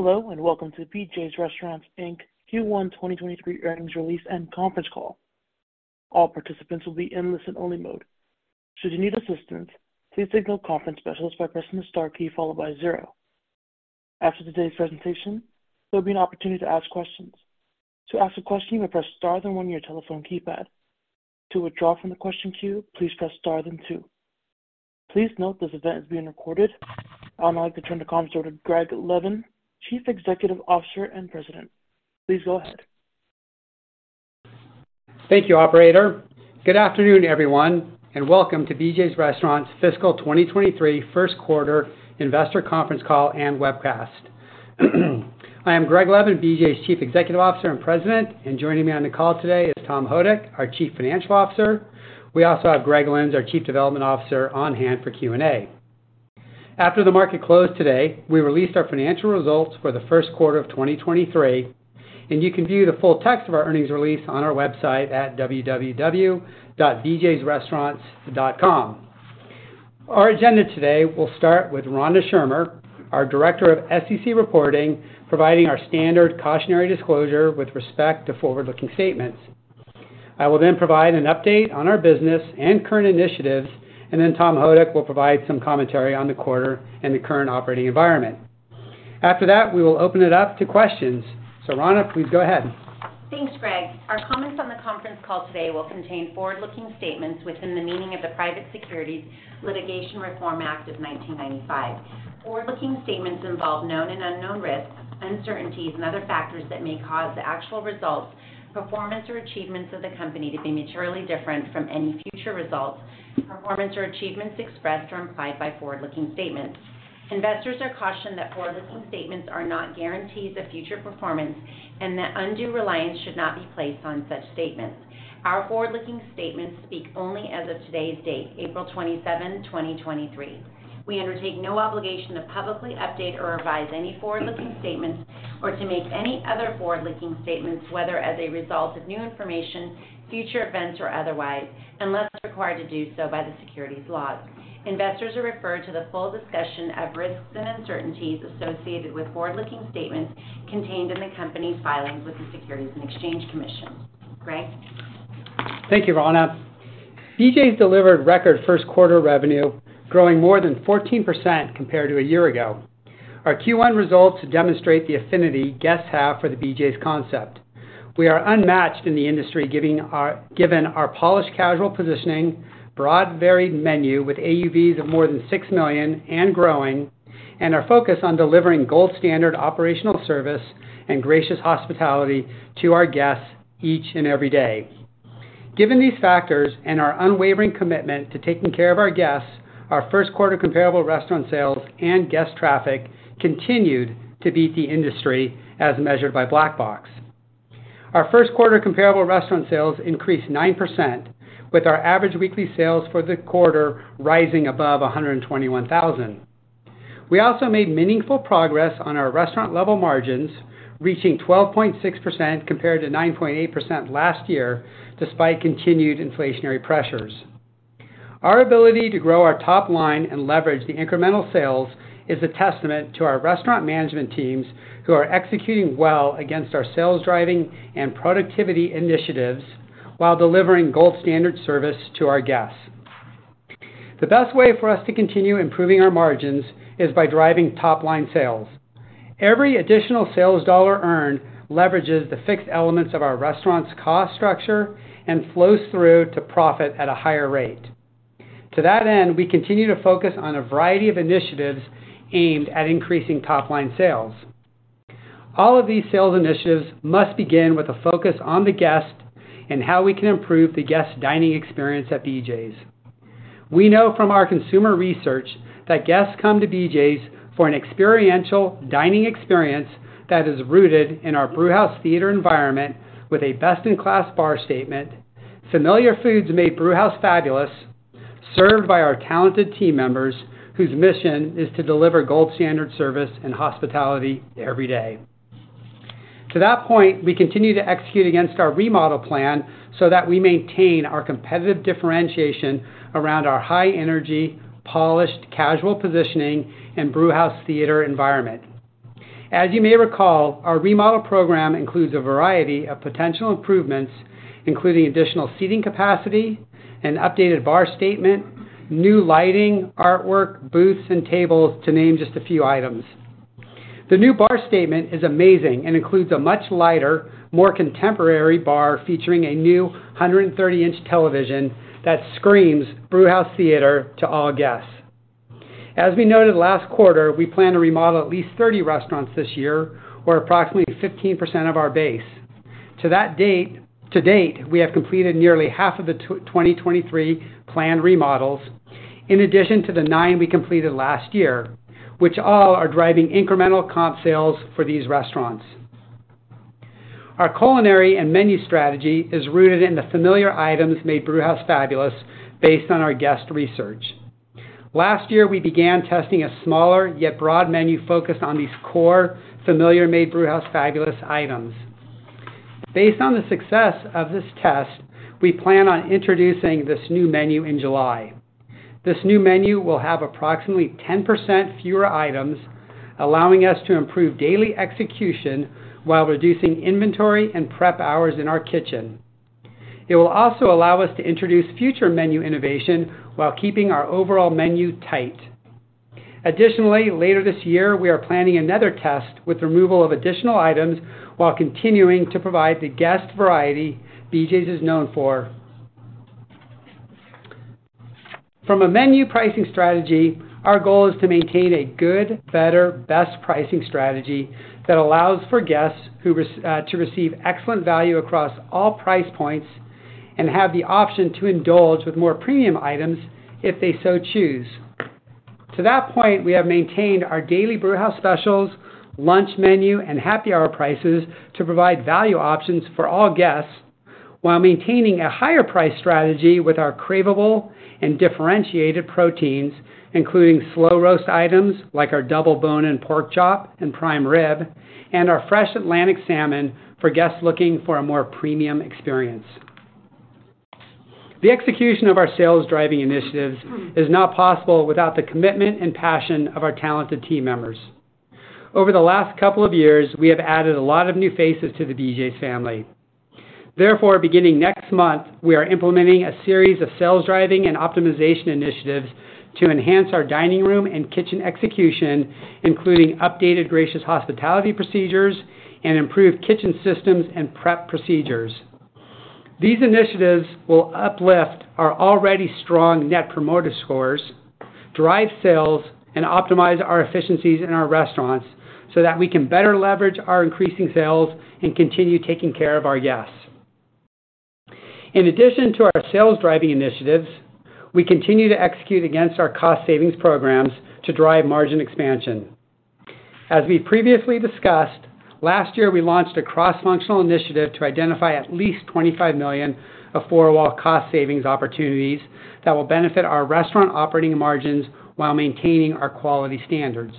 Hello, and welcome to BJ's Restaurants, Inc Q1 2023 earnings release and conference call. All participants will be in listen-only mode. Should you need assistance, please signal a conference specialist by pressing the star key followed by zero. After today's presentation, there'll be an opportunity to ask questions. To ask a question, you may press star then one on your telephone keypad. To withdraw from the question queue, please press star then two. Please note this event is being recorded. I would now like to turn the conference over to Greg Levin, Chief Executive Officer and President. Please go ahead. Thank you, operator. Good afternoon, everyone, and welcome to BJ's Restaurants' fiscal 2023 first quarter investor conference call and webcast. I am Greg Levin, BJ's Chief Executive Officer and President. Joining me on the call today is Tom Houdek, our Chief Financial Officer. We also have Greg Lynds, our Chief Development Officer, on hand for Q&A. After the market closed today, we released our financial results for the first quarter of 2023, and you can view the full text of our earnings release on our website at www.bjsrestaurants.com. Our agenda today will start with Rana Schirmer, our Director of SEC Reporting, providing our standard cautionary disclosure with respect to forward-looking statements. I will then provide an update on our business and current initiatives. Then Tom Houdek will provide some commentary on the quarter and the current operating environment. After that, we will open it up to questions. Rana, please go ahead. Thanks, Greg. Our comments on the conference call today will contain forward-looking statements within the meaning of the Private Securities Litigation Reform Act of 1995. Forward-looking statements involve known and unknown risks, uncertainties and other factors that may cause the actual results, performance or achievements of the company to be materially different from any future results, performance or achievements expressed or implied by forward-looking statements. Investors are cautioned that forward-looking statements are not guarantees of future performance and that undue reliance should not be placed on such statements. Our forward-looking statements speak only as of today's date, April 27th, 2023. We undertake no obligation to publicly update or revise any forward-looking statements or to make any other forward-looking statements, whether as a result of new information, future events or otherwise, unless required to do so by the securities laws. Investors are referred to the full discussion of risks and uncertainties associated with forward-looking statements contained in the company's filings with the Securities and Exchange Commission. Greg? Thank you, Rana. BJ's delivered record first quarter revenue, growing more than 14% compared to a year ago. Our Q1 results demonstrate the affinity guests have for the BJ's concept. We are unmatched in the industry given our polished casual positioning, broad varied menu with AUVs of more than $6 million and growing, and our focus on delivering gold standard operational service and gracious hospitality to our guests each and every day. Given these factors and our unwavering commitment to taking care of our guests, our first quarter comparable restaurant sales and guest traffic continued to beat the industry as measured by Black Box. Our first quarter comparable restaurant sales increased 9%, with our average weekly sales for the quarter rising above $121,000. We also made meaningful progress on our restaurant-level margins, reaching 12.6% compared to 9.8% last year, despite continued inflationary pressures. Our ability to grow our top line and leverage the incremental sales is a testament to our restaurant management teams who are executing well against our sales driving and productivity initiatives while delivering gold standard service to our guests. The best way for us to continue improving our margins is by driving top line sales. Every additional sales dollar earned leverages the fixed elements of our restaurant's cost structure and flows through to profit at a higher rate. To that end, we continue to focus on a variety of initiatives aimed at increasing top line sales. All of these sales initiatives must begin with a focus on the guest and how we can improve the guest dining experience at BJ's. We know from our consumer research that guests come to BJ's for an experiential dining experience that is rooted in our brewhouse theater environment with a best-in-class bar statement, familiar foods made brewhouse fabulous, served by our talented team members whose mission is to deliver gold standard service and hospitality every day. To that point, we continue to execute against our remodel plan so that we maintain our competitive differentiation around our high energy, polished, casual positioning and brewhouse theater environment. As you may recall, our remodel program includes a variety of potential improvements, including additional seating capacity, an updated bar statement, new lighting, artwork, booths and tables to name just a few items. The new bar statement is amazing and includes a much lighter, more contemporary bar featuring a new 130-inch television that screams brewhouse theater to all guests. As we noted last quarter, we plan to remodel at least 30 restaurants this year, or approximately 15% of our base. To date, we have completed nearly half of the 2023 planned remodels in addition to the nine we completed last year, which all are driving incremental comp sales for these restaurants. Our culinary and menu strategy is rooted in the familiar items made brewhouse fabulous based on our guest research. Last year, we began testing a smaller yet broad menu focused on these core familiar made brewhouse fabulous items. Based on the success of this test, we plan on introducing this new menu in July. This new menu will have approximately 10% fewer items, allowing us to improve daily execution while reducing inventory and prep hours in our kitchen. It will also allow us to introduce future menu innovation while keeping our overall menu tight. Additionally, later this year, we are planning another test with removal of additional items while continuing to provide the guest variety BJ's is known for. From a menu pricing strategy, our goal is to maintain a good, better, best pricing strategy that allows for guests to receive excellent value across all price points and have the option to indulge with more premium items if they so choose. To that point, we have maintained our Daily Brewhouse Specials, lunch menu, and happy hour prices to provide value options for all guests, while maintaining a higher price strategy with our craveable and differentiated proteins, including slow roast items like our Double Bone-In Pork Chop and Prime Rib, and our Fresh Atlantic Salmon for guests looking for a more premium experience. The execution of our sales-driving initiatives is not possible without the commitment and passion of our talented team members. Over the last couple of years, we have added a lot of new faces to the BJ's family. Beginning next month, we are implementing a series of sales-driving and optimization initiatives to enhance our dining room and kitchen execution, including updated gracious hospitality procedures and improved kitchen systems and prep procedures. These initiatives will uplift our already strong Net Promoter Scores, drive sales, and optimize our efficiencies in our restaurants so that we can better leverage our increasing sales and continue taking care of our guests. In addition to our sales-driving initiatives, we continue to execute against our cost savings programs to drive margin expansion. As we previously discussed, last year, we launched a cross-functional initiative to identify at least $25 million of four wall cost savings opportunities that will benefit our restaurant operating margins while maintaining our quality standards.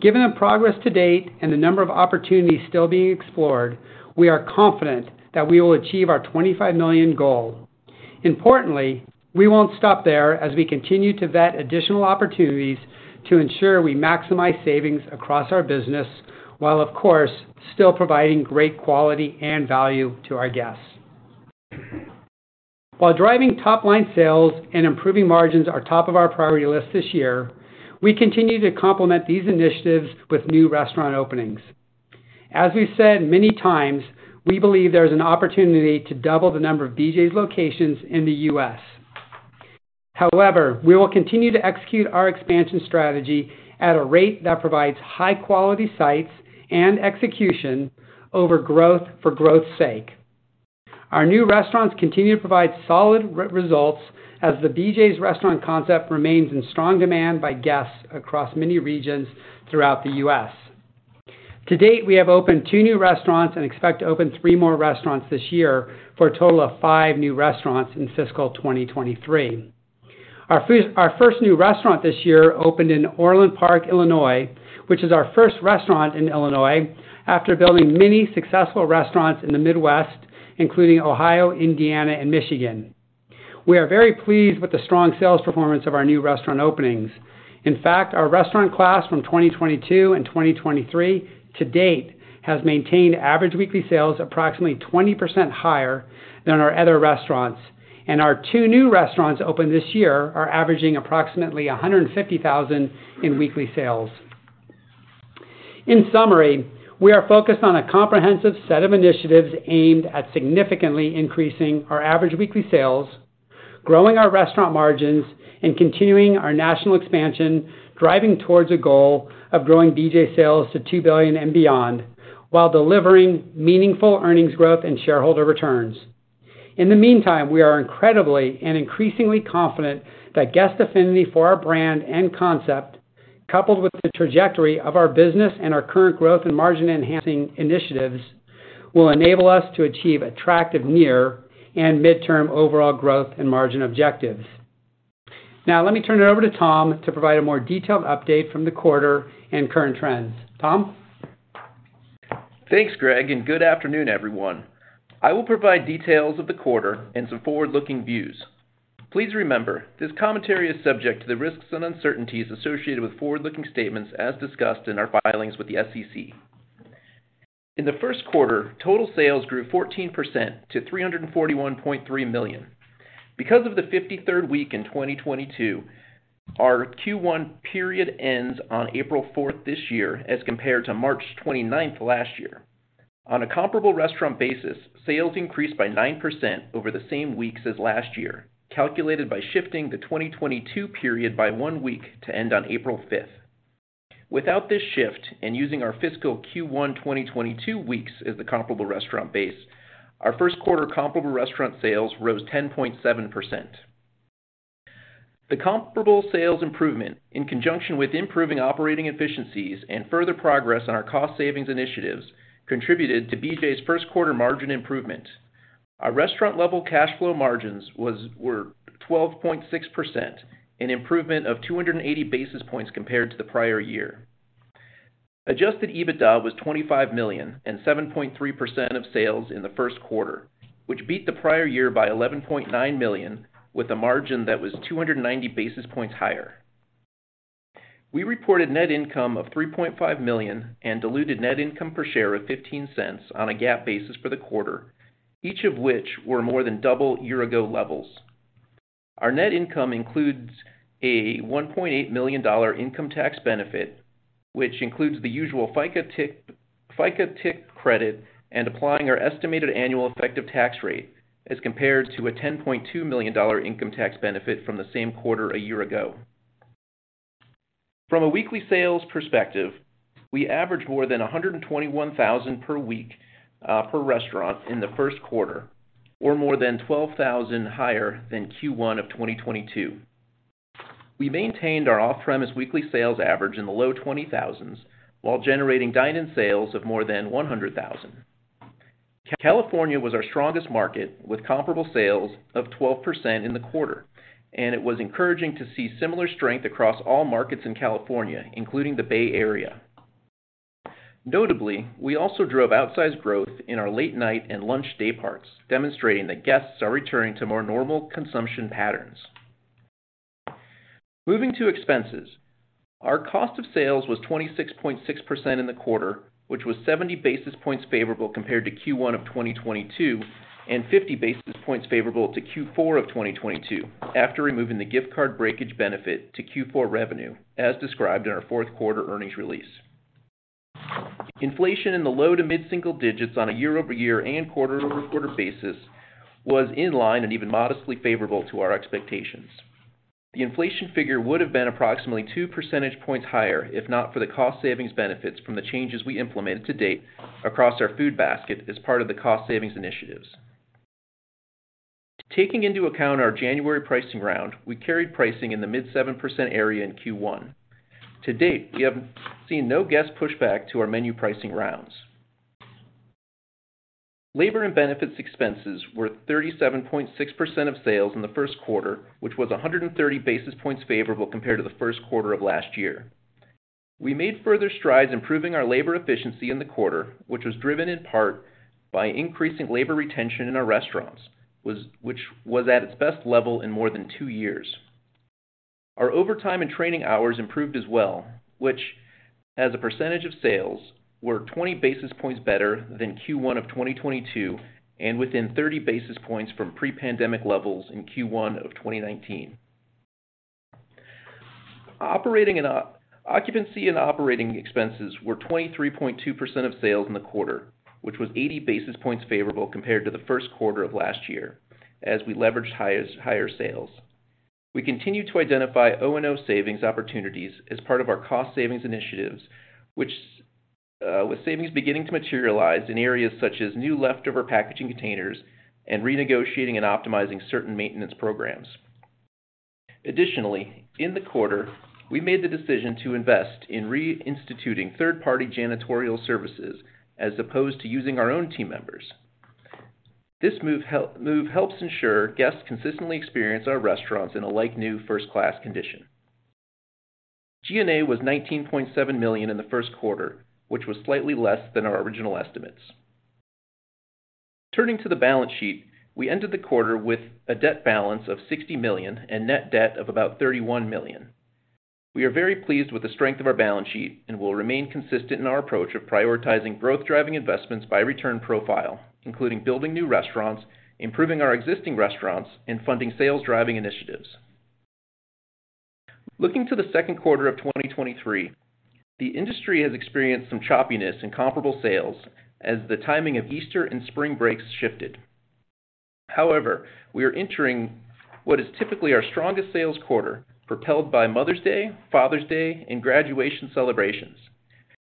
Given the progress to date and the number of opportunities still being explored, we are confident that we will achieve our $25 million goal. Importantly, we won't stop there as we continue to vet additional opportunities to ensure we maximize savings across our business, while of course, still providing great quality and value to our guests. While driving top-line sales and improving margins are top of our priority list this year, we continue to complement these initiatives with new restaurant openings. As we've said many times, we believe there's an opportunity to double the number of BJ's locations in the U.S. However, we will continue to execute our expansion strategy at a rate that provides high-quality sites and execution over growth for growth's sake. Our new restaurants continue to provide solid results as the BJ's restaurant concept remains in strong demand by guests across many regions throughout the U.S. To date, we have opened two new restaurants and expect to open three more restaurants this year for a total of five new restaurants in fiscal 2023. Our first new restaurant this year opened in Orland Park, Illinois, which is our first restaurant in Illinois after building many successful restaurants in the Midwest, including Ohio, Indiana, and Michigan. We are very pleased with the strong sales performance of our new restaurant openings. In fact, our restaurant class from 2022 and 2023 to date has maintained average weekly sales approximately 20% higher than our other restaurants, and our two new restaurants opened this year are averaging approximately $150,000 in weekly sales. In summary, we are focused on a comprehensive set of initiatives aimed at significantly increasing our average weekly sales, growing our restaurant margins, and continuing our national expansion, driving towards a goal of growing BJ's sales to $2 billion and beyond while delivering meaningful earnings growth and shareholder returns. In the meantime, we are incredibly and increasingly confident that guest affinity for our brand and concept, coupled with the trajectory of our business and our current growth and margin-enhancing initiatives, will enable us to achieve attractive near and midterm overall growth and margin objectives. Let me turn it over to Tom to provide a more detailed update from the quarter and current trends. Tom? Thanks, Greg, and good afternoon, everyone. I will provide details of the quarter and some forward-looking views. Please remember, this commentary is subject to the risks and uncertainties associated with forward-looking statements as discussed in our filings with the SEC. In the first quarter, total sales grew 14% to $341.3 million. Because of the 53rd week in 2022, our Q1 period ends on April 4th this year as compared to March 29th last year. On a comparable restaurant basis, sales increased by 9% over the same weeks as last year, calculated by shifting the 2022 period by one week to end on April 5th. Without this shift, and using our fiscal Q1 2022 weeks as the comparable restaurant base, our first quarter comparable restaurant sales rose 10.7%. The comparable sales improvement, in conjunction with improving operating efficiencies and further progress on our cost savings initiatives, contributed to BJ's first quarter margin improvement. Our restaurant-level cash flow margins were 12.6%, an improvement of 280 basis points compared to the prior year. Adjusted EBITDA was $25 million and 7.3% of sales in the first quarter, which beat the prior year by $11.9 million, with a margin that was 290 basis points higher. We reported net income of $3.5 million and diluted net income per share of $0.15 on a GAAP basis for the quarter, each of which were more than double year ago levels. Our net income includes a $1.8 million income tax benefit, which includes the usual FICA tip credit and applying our estimated annual effective tax rate as compared to a $10.2 million income tax benefit from the same quarter a year ago. From a weekly sales perspective, we averaged more than 121,000 per week per restaurant in the first quarter, or more than 12,000 higher than Q1 of 2022. We maintained our off-premise weekly sales average in the low 20,000s while generating dine-in sales of more than 100,000. California was our strongest market with comparable sales of 12% in the quarter, it was encouraging to see similar strength across all markets in California, including the Bay Area. Notably, we also drove outsized growth in our late night and lunch day parts, demonstrating that guests are returning to more normal consumption patterns. Moving to expenses. Our cost of sales was 26.6% in the quarter, which was 70 basis points favorable compared to Q1 of 2022 and 50 basis points favorable to Q4 of 2022 after removing the gift card breakage benefit to Q4 revenue as described in our fourth quarter earnings release. Inflation in the low to mid-single digits on a year-over-year and quarter-over-quarter basis was in line and even modestly favorable to our expectations. The inflation figure would have been approximately 2 percentage points higher if not for the cost savings benefits from the changes we implemented to date across our food basket as part of the cost savings initiatives. Taking into account our January pricing round, we carried pricing in the mid 7% area in Q1. To date, we have seen no guest pushback to our menu pricing rounds. Labor and benefits expenses were 37.6% of sales in the first quarter, which was 130 basis points favorable compared to the first quarter of last year. We made further strides improving our labor efficiency in the quarter, which was driven in part by increasing labor retention in our restaurants, which was at its best level in more than two years. Our overtime and training hours improved as well, which as a percentage of sales were 20 basis points better than Q1 of 2022 and within 30 basis points from pre-pandemic levels in Q1 of 2019. Occupancy and operating expenses were 23.2% of sales in the quarter, which was 80 basis points favorable compared to the first quarter of last year as we leveraged higher sales. We continue to identify O&O savings opportunities as part of our cost savings initiatives, which, with savings beginning to materialize in areas such as new leftover packaging containers and renegotiating and optimizing certain maintenance programs. Additionally, in the quarter, we made the decision to invest in reinstituting third-party janitorial services as opposed to using our own team members. This move helps ensure guests consistently experience our restaurants in a like-new, first-class condition. G&A was $19.7 million in the first quarter, which was slightly less than our original estimates. Turning to the balance sheet, we ended the quarter with a debt balance of $60 million and net debt of about $31 million. We are very pleased with the strength of our balance sheet and will remain consistent in our approach of prioritizing growth-driving investments by return profile, including building new restaurants, improving our existing restaurants, and funding sales-driving initiatives. Looking to the second quarter of 2023, the industry has experienced some choppiness in comparable sales as the timing of Easter and spring breaks shifted. However, we are entering what is typically our strongest sales quarter, propelled by Mother's Day, Father's Day, and graduation celebrations.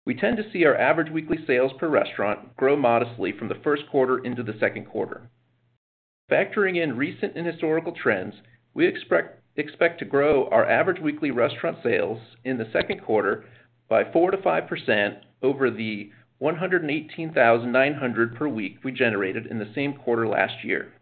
We tend to see our average weekly sales per restaurant grow modestly from the first quarter into the second quarter. Factoring in recent and historical trends, we expect to grow our average weekly restaurant sales in the second quarter by 4%-5% over the $118,900 per week we generated in the same quarter last year.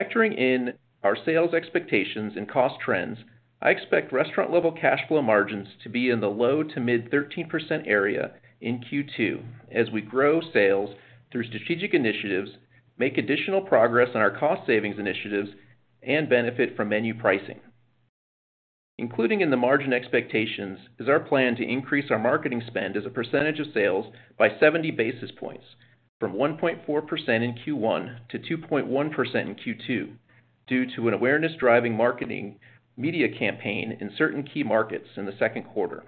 Factoring in our sales expectations and cost trends, I expect restaurant-level cash flow margins to be in the low to mid 13% area in Q2 as we grow sales through strategic initiatives, make additional progress on our cost savings initiatives, and benefit from menu pricing. Including in the margin expectations is our plan to increase our marketing spend as a percentage of sales by 70 basis points from 1.4% in Q1 to 2.1% in Q2 due to an awareness-driving marketing media campaign in certain key markets in the second quarter.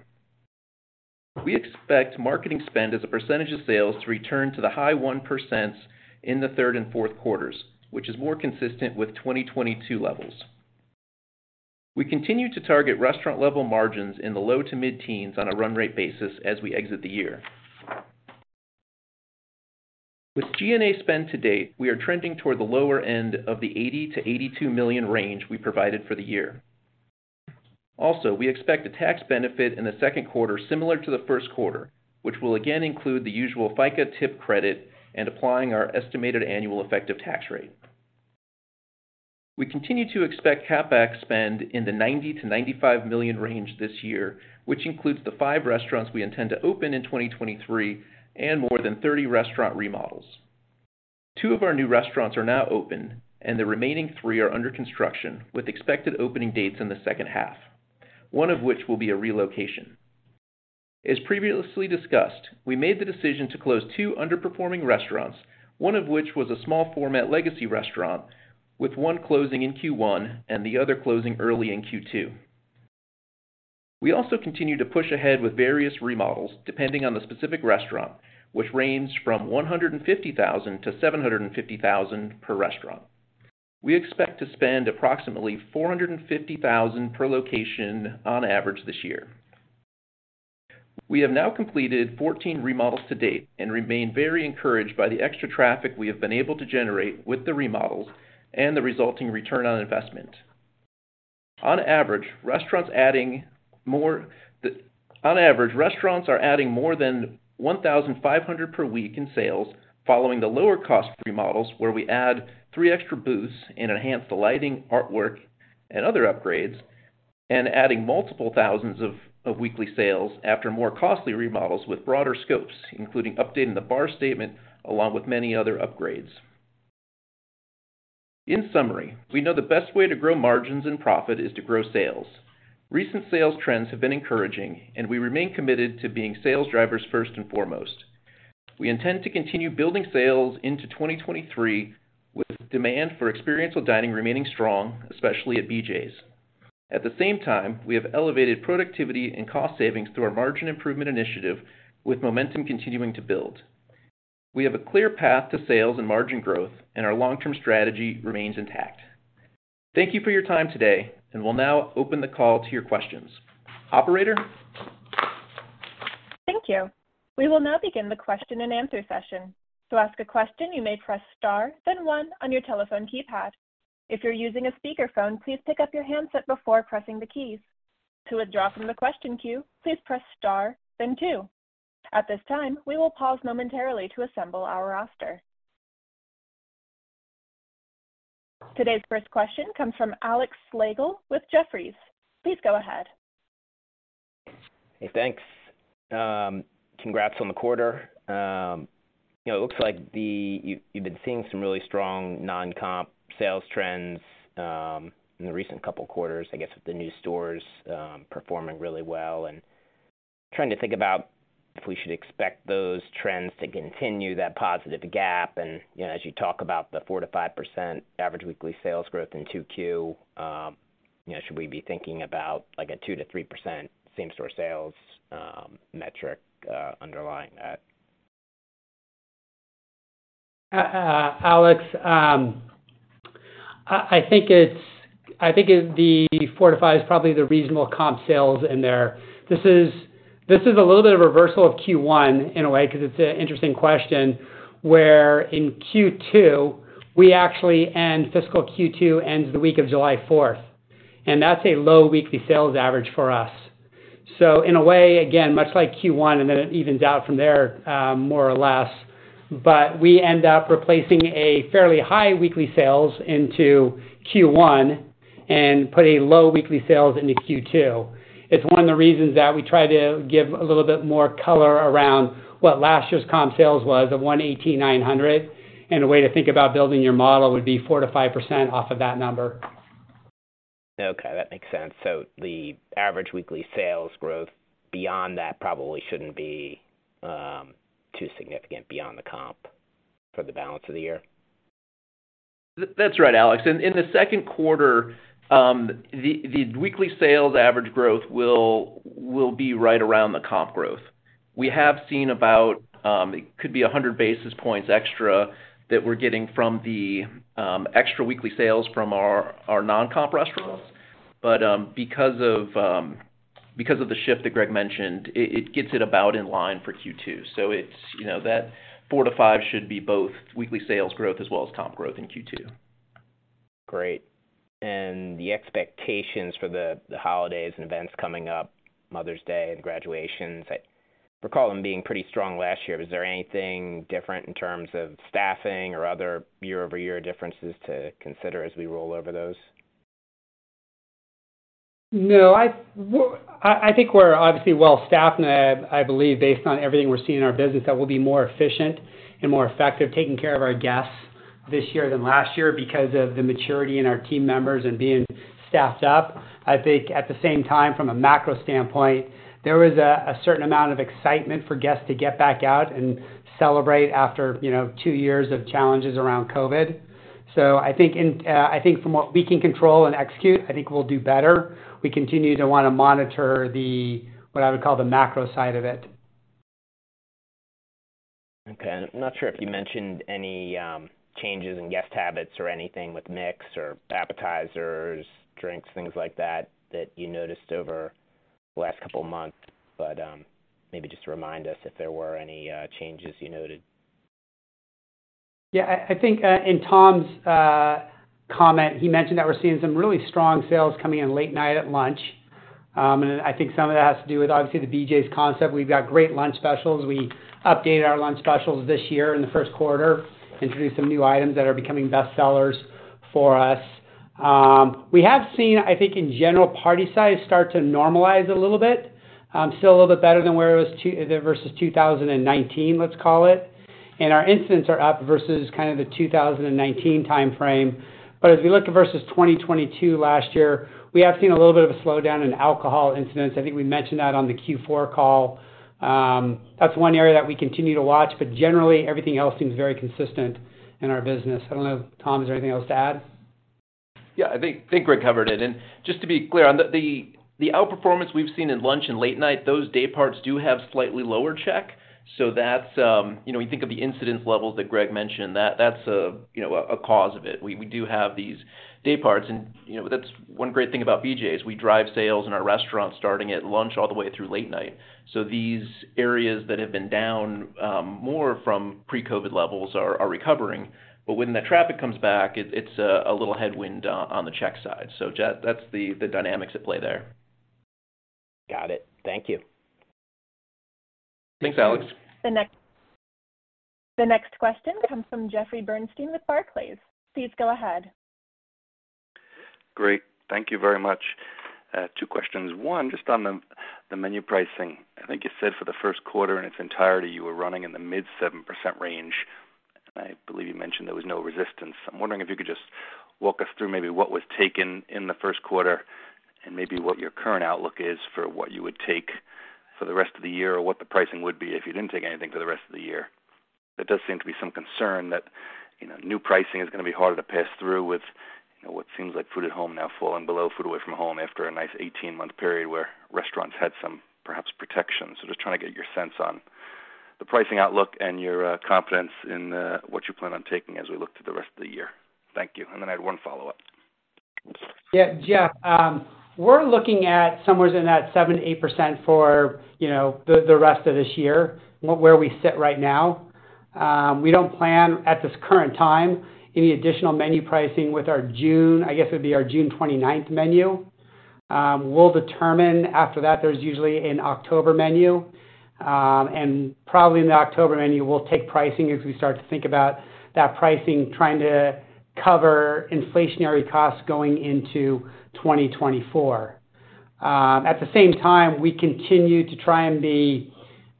We expect marketing spend as a percentage of sales to return to the high 1% in the third and fourth quarters, which is more consistent with 2022 levels. We continue to target restaurant-level margins in the low to mid-teens on a run rate basis as we exit the year. We expect a tax benefit in the second quarter similar to the first quarter, which will again include the usual FICA tip credit and applying our estimated annual effective tax rate. We continue to expect CapEx spend in the $90 million-$95 million range this year, which includes the five restaurants we intend to open in 2023 and more than 30 restaurant remodels. Two of our new restaurants are now open and the remaining three are under construction with expected opening dates in the second half, one of which will be a relocation. As previously discussed, we made the decision to close two underperforming restaurants, one of which was a small format legacy restaurant, with one closing in Q1 and the other closing early in Q2. We also continue to push ahead with various remodels depending on the specific restaurant, which ranges from $150,000-$750,000 per restaurant. We expect to spend approximately $450,000 per location on average this year. We have now completed 14 remodels to date and remain very encouraged by the extra traffic we have been able to generate with the remodels and the resulting return on investment. On average, restaurants are adding more than $1,500 per week in sales following the lower cost remodels, where we add three extra booths and enhance the lighting, artwork and other upgrades, and adding multiple thousands of weekly sales after more costly remodels with broader scopes, including updating the bar statement along with many other upgrades. In summary, we know the best way to grow margins and profit is to grow sales. Recent sales trends have been encouraging and we remain committed to being sales drivers first and foremost. We intend to continue building sales into 2023, with demand for experiential dining remaining strong, especially at BJ's. At the same time, we have elevated productivity and cost savings through our margin improvement initiative, with momentum continuing to build. We have a clear path to sales and margin growth and our long-term strategy remains intact. Thank you for your time today and we'll now open the call to your questions. Operator? Thank you. We will now begin the question and answer session. To ask a question, you may press star, then one on your telephone keypad. If you're using a speakerphone, please pick up your handset before pressing the keys. To withdraw from the question queue, please press star then Two. At this time, we will pause momentarily to assemble our roster. Today's first question comes from Alex Slagle with Jefferies. Please go ahead. Hey, thanks. Congrats on the quarter. You know, it looks like you've been seeing some really strong non-comp sales trends in the recent couple quarters, I guess with the new stores performing really well and trying to think about if we should expect those trends to continue that positive gap. You know, as you talk about the 4%-5% average weekly sales growth in 2Q, you know, should we be thinking about like a 2%-3% same store sales metric underlying that? Alex, I think it's the 4%-5% is probably the reasonable comp sales in there. This is a little bit of a reversal of Q1 in a way, because it's an interesting question where in Q2 we actually end fiscal Q2 ends the week of July 4th, and that's a low weekly sales average for us. In a way again much like Q1 and then it evens out from there, more or less. We end up replacing a fairly high weekly sales into Q1 and put a low weekly sales into Q2. It's one of the reasons that we try to give a little bit more color around what last year's comp sales was of 118,900. A way to think about building your model would be 4%-5% off of that number. Okay, that makes sense. The average weekly sales growth beyond that probably shouldn't be too significant beyond the comp for the balance of the year. That's right, Alex. In the second quarter, the weekly sales average growth will be right around the comp growth. We have seen about, it could be 100 basis points extra that we're getting from the extra weekly sales from our non-comp restaurants. Because of the shift that Greg mentioned, it gets it about in line for Q2. It's, you know, that 4%-5% should be both weekly sales growth as well as comp growth in Q2. Great. The expectations for the holidays and events coming up, Mother's Day and graduations, I recall them being pretty strong last year. Was there anything different in terms of staffing or other year-over-year differences to consider as we roll over those? No, I think we're obviously well staffed and I believe based on everything we're seeing in our business that we'll be more efficient and more effective taking care of our guests this year than last year because of the maturity in our team members and being staffed up. I think at the same time, from a macro standpoint, there was a certain amount of excitement for guests to get back out and celebrate after, you know, two years of challenges around COVID. I think in, I think from what we can control and execute, I think we'll do better. We continue to want to monitor the, what I would call the macro side of it. Okay. I'm not sure if you mentioned any changes in guest habits or anything with mix or appetizers, drinks, things like that you noticed over the last couple of months. Maybe just remind us if there were any changes you noted. I think in Tom's comment, he mentioned that we're seeing some really strong sales coming in late night at lunch. I think some of that has to do with obviously the BJ's concept. We've got great lunch specials. We updated our lunch specials this year in the first quarter, introduced some new items that are becoming best sellers for us. We have seen, I think, in general, party size start to normalize a little bit, still a little bit better than where it was versus 2019, let's call it. Our incidents are up versus kind of the 2019 timeframe. As we look versus 2022 last year, we have seen a little bit of a slowdown in alcohol incidents. I think we mentioned that on the Q4 call. That's one area that we continue to watch, but generally, everything else seems very consistent in our business. I don't know if Tom has anything else to add. Yeah. I think Greg covered it. Just to be clear, on the outperformance we've seen in lunch and late night, those day parts do have slightly lower check. That's, you know, we think of the incidence levels that Greg mentioned, that's, you know, a cause of it. We do have these day parts and, you know, that's one great thing about BJ's. We drive sales in our restaurants starting at lunch all the way through late night. These areas that have been down more from pre-COVID levels are recovering. When that traffic comes back, it's a little headwind on the check side. That's the dynamics at play there. Got it. Thank you. Thanks, Alex. The next question comes from Jeffrey Bernstein with Barclays. Please go ahead. Great. Thank you very much. Two questions. One, just on the menu pricing. I think you said for the first quarter in its entirety, you were running in the mid 7% range, and I believe you mentioned there was no resistance. I'm wondering if you could just walk us through maybe what was taken in the first quarter and maybe what your current outlook is for what you would take for the rest of the year or what the pricing would be if you didn't take anything for the rest of the year. There does seem to be some concern that, you know, new pricing is gonna be harder to pass through with, you know, what seems like food at home now falling below food away from home after a nice 18-month period where restaurants had some perhaps protection. Just trying to get your sense on the pricing outlook and your confidence in what you plan on taking as we look to the rest of the year. Thank you. I had one follow-up. Yeah, Jeff, we're looking at somewhere in that 7%-8% for, you know, the rest of this year, where we sit right now. We don't plan at this current time any additional menu pricing with our June, I guess it'd be our June 29th menu. We'll determine after that. There's usually an October menu, and probably in the October menu, we'll take pricing as we start to think about that pricing, trying to cover inflationary costs going into 2024. At the same time, we continue to try and be,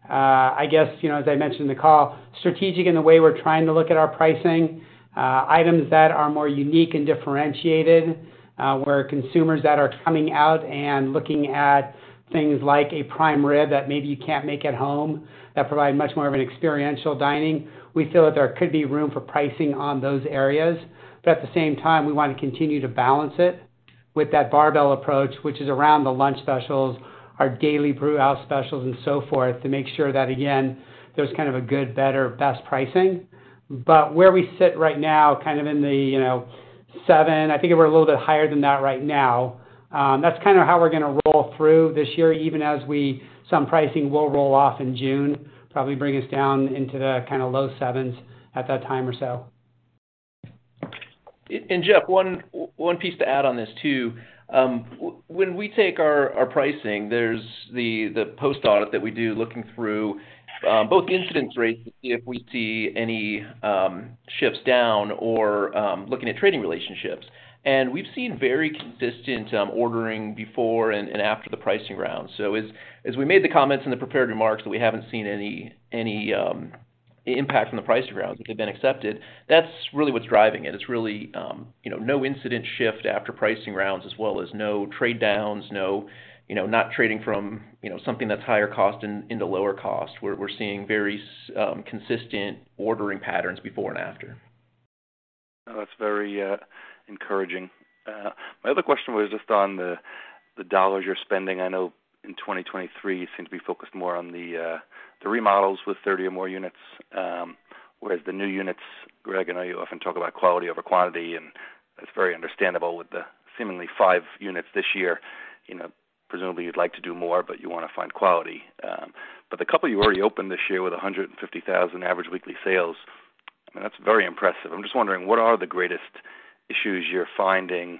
I guess, you know, as I mentioned in the call, strategic in the way we're trying to look at our pricing, items that are more unique and differentiated, where consumers that are coming out and looking at things like a prime rib that maybe you can't make at home, that provide much more of an experiential dining. We feel that there could be room for pricing on those areas. At the same time, we wanna continue to balance it with that barbell approach, which is around the lunch specials, our Daily Brewhouse Specials and so forth, to make sure that again, there's kind of a good, better, best pricing. Where we sit right now, kind of in the, you know, 7%, I think we're a little bit higher than that right now, that's kinda how we're gonna roll through this year, even as some pricing will roll off in June, probably bring us down into the kinda low 7s at that time or so. Jeff, one piece to add on this too. When we take our pricing, there's the post audit that we do looking through both incidence rates to see if we see any shifts down or looking at trading relationships. We've seen very consistent ordering before and after the pricing rounds. As we made the comments in the prepared remarks that we haven't seen any impact from the pricing rounds, they've been accepted. That's really what's driving it. It's really, you know, no incident shift after pricing rounds as well as no trade downs, no, you know, not trading from, you know, something that's higher cost into lower cost. We're seeing very consistent ordering patterns before and after. That's very encouraging. My other question was just on the dollars you're spending. I know in 2023, you seem to be focused more on the remodels with 30 or more units, whereas the new units, Greg, I know you often talk about quality over quantity, and that's very understandable with the seemingly five units this year. You know, presumably you'd like to do more, but you wanna find quality. The couple you already opened this year with $150,000 average weekly sales, I mean, that's very impressive. I'm just wondering what are the greatest issues you're finding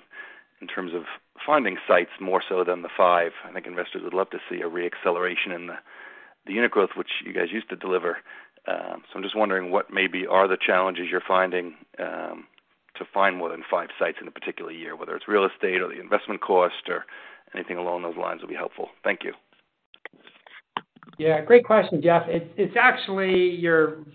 in terms of finding sites more so than the five? I think investors would love to see a re-acceleration in the unit growth, which you guys used to deliver. I'm just wondering what maybe are the challenges you're finding to find more than 5 sites in a particular year, whether it's real estate or the investment cost or anything along those lines will be helpful. Thank you. Yeah, great question, Jeff. It's actually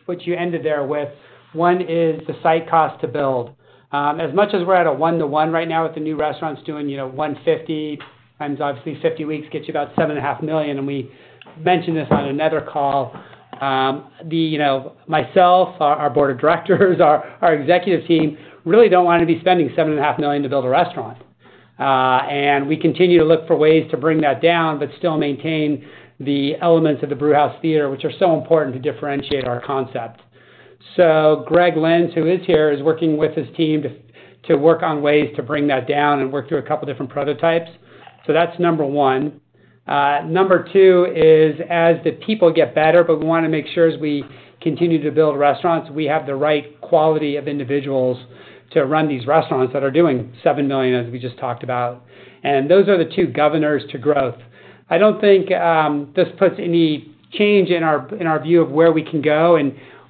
what you ended there with. One is the site cost to build. As much as we're at a one-to-one right now with the new restaurants doing, you know, $150,000 times obviously 50 weeks gets you about $7.5 million, and we mentioned this on another call. The, you know, myself, our board of directors, our executive team really don't wanna be spending $7.5 million to build a restaurant. We continue to look for ways to bring that down, but still maintain the elements of the brewhouse theater, which are so important to differentiate our concept. Greg Lynds, who is here, is working with his team to work on ways to bring that down and work through a couple different prototypes. That's number one. Number two is as the people get better, we wanna make sure as we continue to build restaurants, we have the right quality of individuals to run these restaurants that are doing $7 million, as we just talked about. Those are the two governors to growth. I don't think this puts any change in our, in our view of where we can go,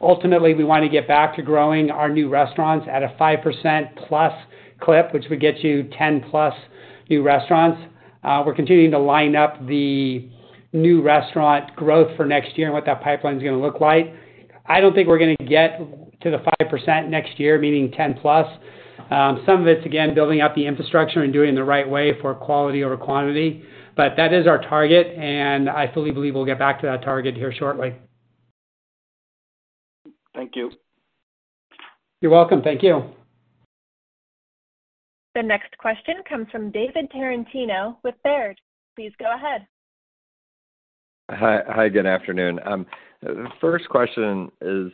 ultimately we wanna get back to growing our new restaurants at a 5% plus clip, which would get you 10+ new restaurants. We're continuing to line up the new restaurant growth for next year and what that pipeline's gonna look like. I don't think we're gonna get to the 5% next year, meaning 10+. Some of it's again, building out the infrastructure and doing the right way for quality over quantity. That is our target, and I fully believe we'll get back to that target here shortly. Thank you. You're welcome. Thank you. The next question comes from David Tarantino with Baird. Please go ahead. Hi, good afternoon. The first question is,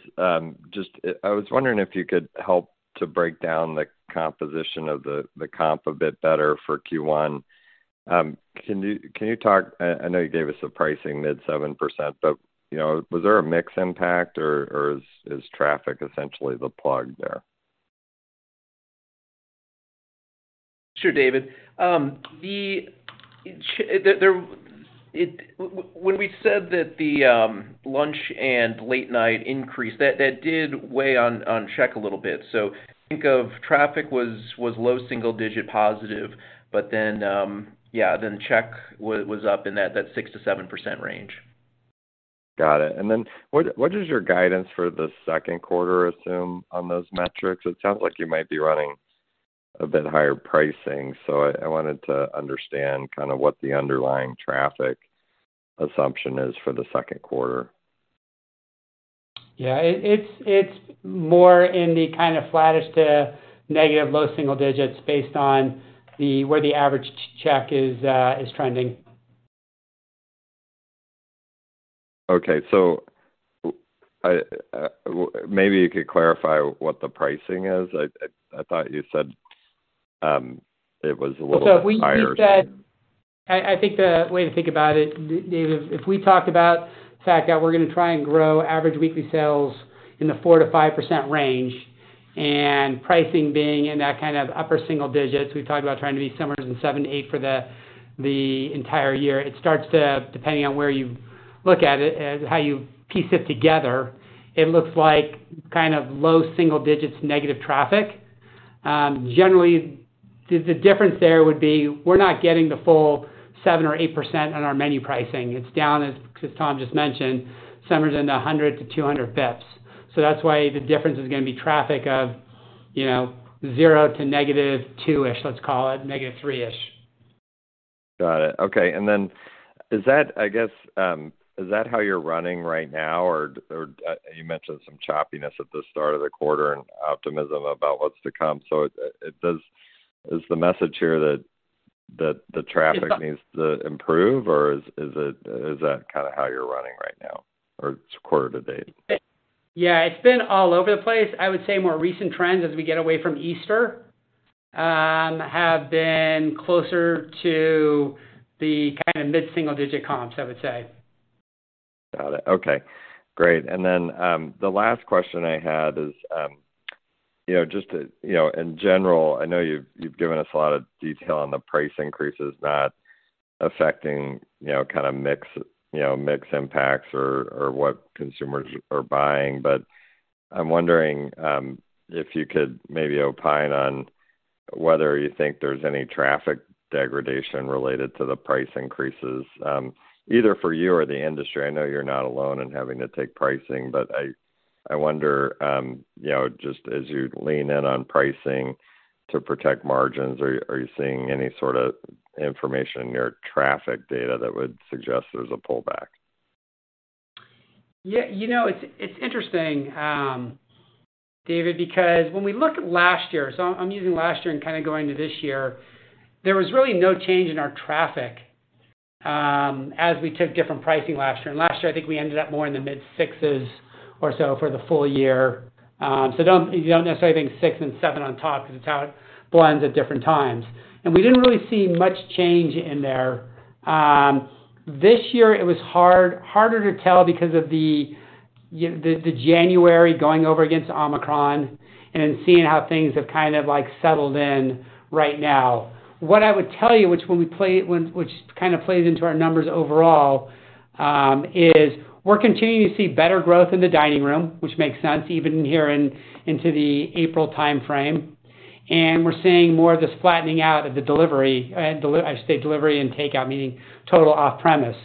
just, I was wondering if you could help to break down the composition of the comp a bit better for Q1. Can you talk, I know you gave us a pricing mid 7%, but, you know, was there a mix impact or is traffic essentially the plug there? Sure, David. When we said that the lunch and late night increased, that did weigh on check a little bit. Think of traffic was low single-digit positive, then check was up in that 6%-7% range. Got it. Then what does your guidance for the second quarter assume on those metrics? It sounds like you might be running a bit higher pricing, I wanted to understand kinda what the underlying traffic assumption is for the second quarter. Yeah. It's, it's more in the kind of flattish to negative low-single digits based on where the average check is trending. Okay. I maybe you could clarify what the pricing is? I thought you said, it was a little bit higher. If we said I think the way to think about it, David, if we talked about the fact that we're gonna try and grow average weekly sales in the 4%-5% range and pricing being in that kind of upper single digits, we've talked about trying to be somewhere between 7%-8% for the entire year. It starts to, depending on where you look at it and how you piece it together, it looks like kind of low-single digits, negative traffic. Generally, the difference there would be we're not getting the full 7% or 8% on our menu pricing. It's down, 'cause Tom just mentioned, somewheres in the 100-200 basis point. That's why the difference is gonna be traffic of, you know, 0 to -2-ish, let's call it, -3-ish. Got it. Okay. Is that... I guess, is that how you're running right now? You mentioned some choppiness at the start of the quarter and optimism about what's to come. Is the message here that the traffic needs to improve or is that kind of how you're running right now or it's quarter-to-date? It's been all over the place. I would say more recent trends as we get away from Easter, have been closer to the kind of mid-single digit comps, I would say. Got it. Okay, great. The last question I had is, you know, just to, you know, in general, I know you've given us a lot of detail on the price increases not affecting, you know, kinda mix, you know, mix impacts or what consumers are buying. I'm wondering, if you could maybe opine on whether you think there's any traffic degradation related to the price increases, either for you or the industry. I know you're not alone in having to take pricing, but I wonder, you know, just as you lean in on pricing to protect margins, are you seeing any sort of information in your traffic data that would suggest there's a pullback? Yeah. You know, it's interesting, David, because when we look at last year, so I'm using last year and kinda going to this year, there was really no change in our traffic as we took different pricing last year. Last year I think we ended up more in the mid-6s or so for the full year. Don't necessarily think 6 and 7 on top, because it's how it blends at different times. We didn't really see much change in there. This year it was harder to tell because of the January going over against Omicron and then seeing how things have kind of like settled in right now. What I would tell you, which when we play, which kind of plays into our numbers overall, is we're continuing to see better growth in the dining room, which makes sense even here in, into the April timeframe. We're seeing more of this flattening out of the delivery. I should say delivery and takeout, meaning total off-premise.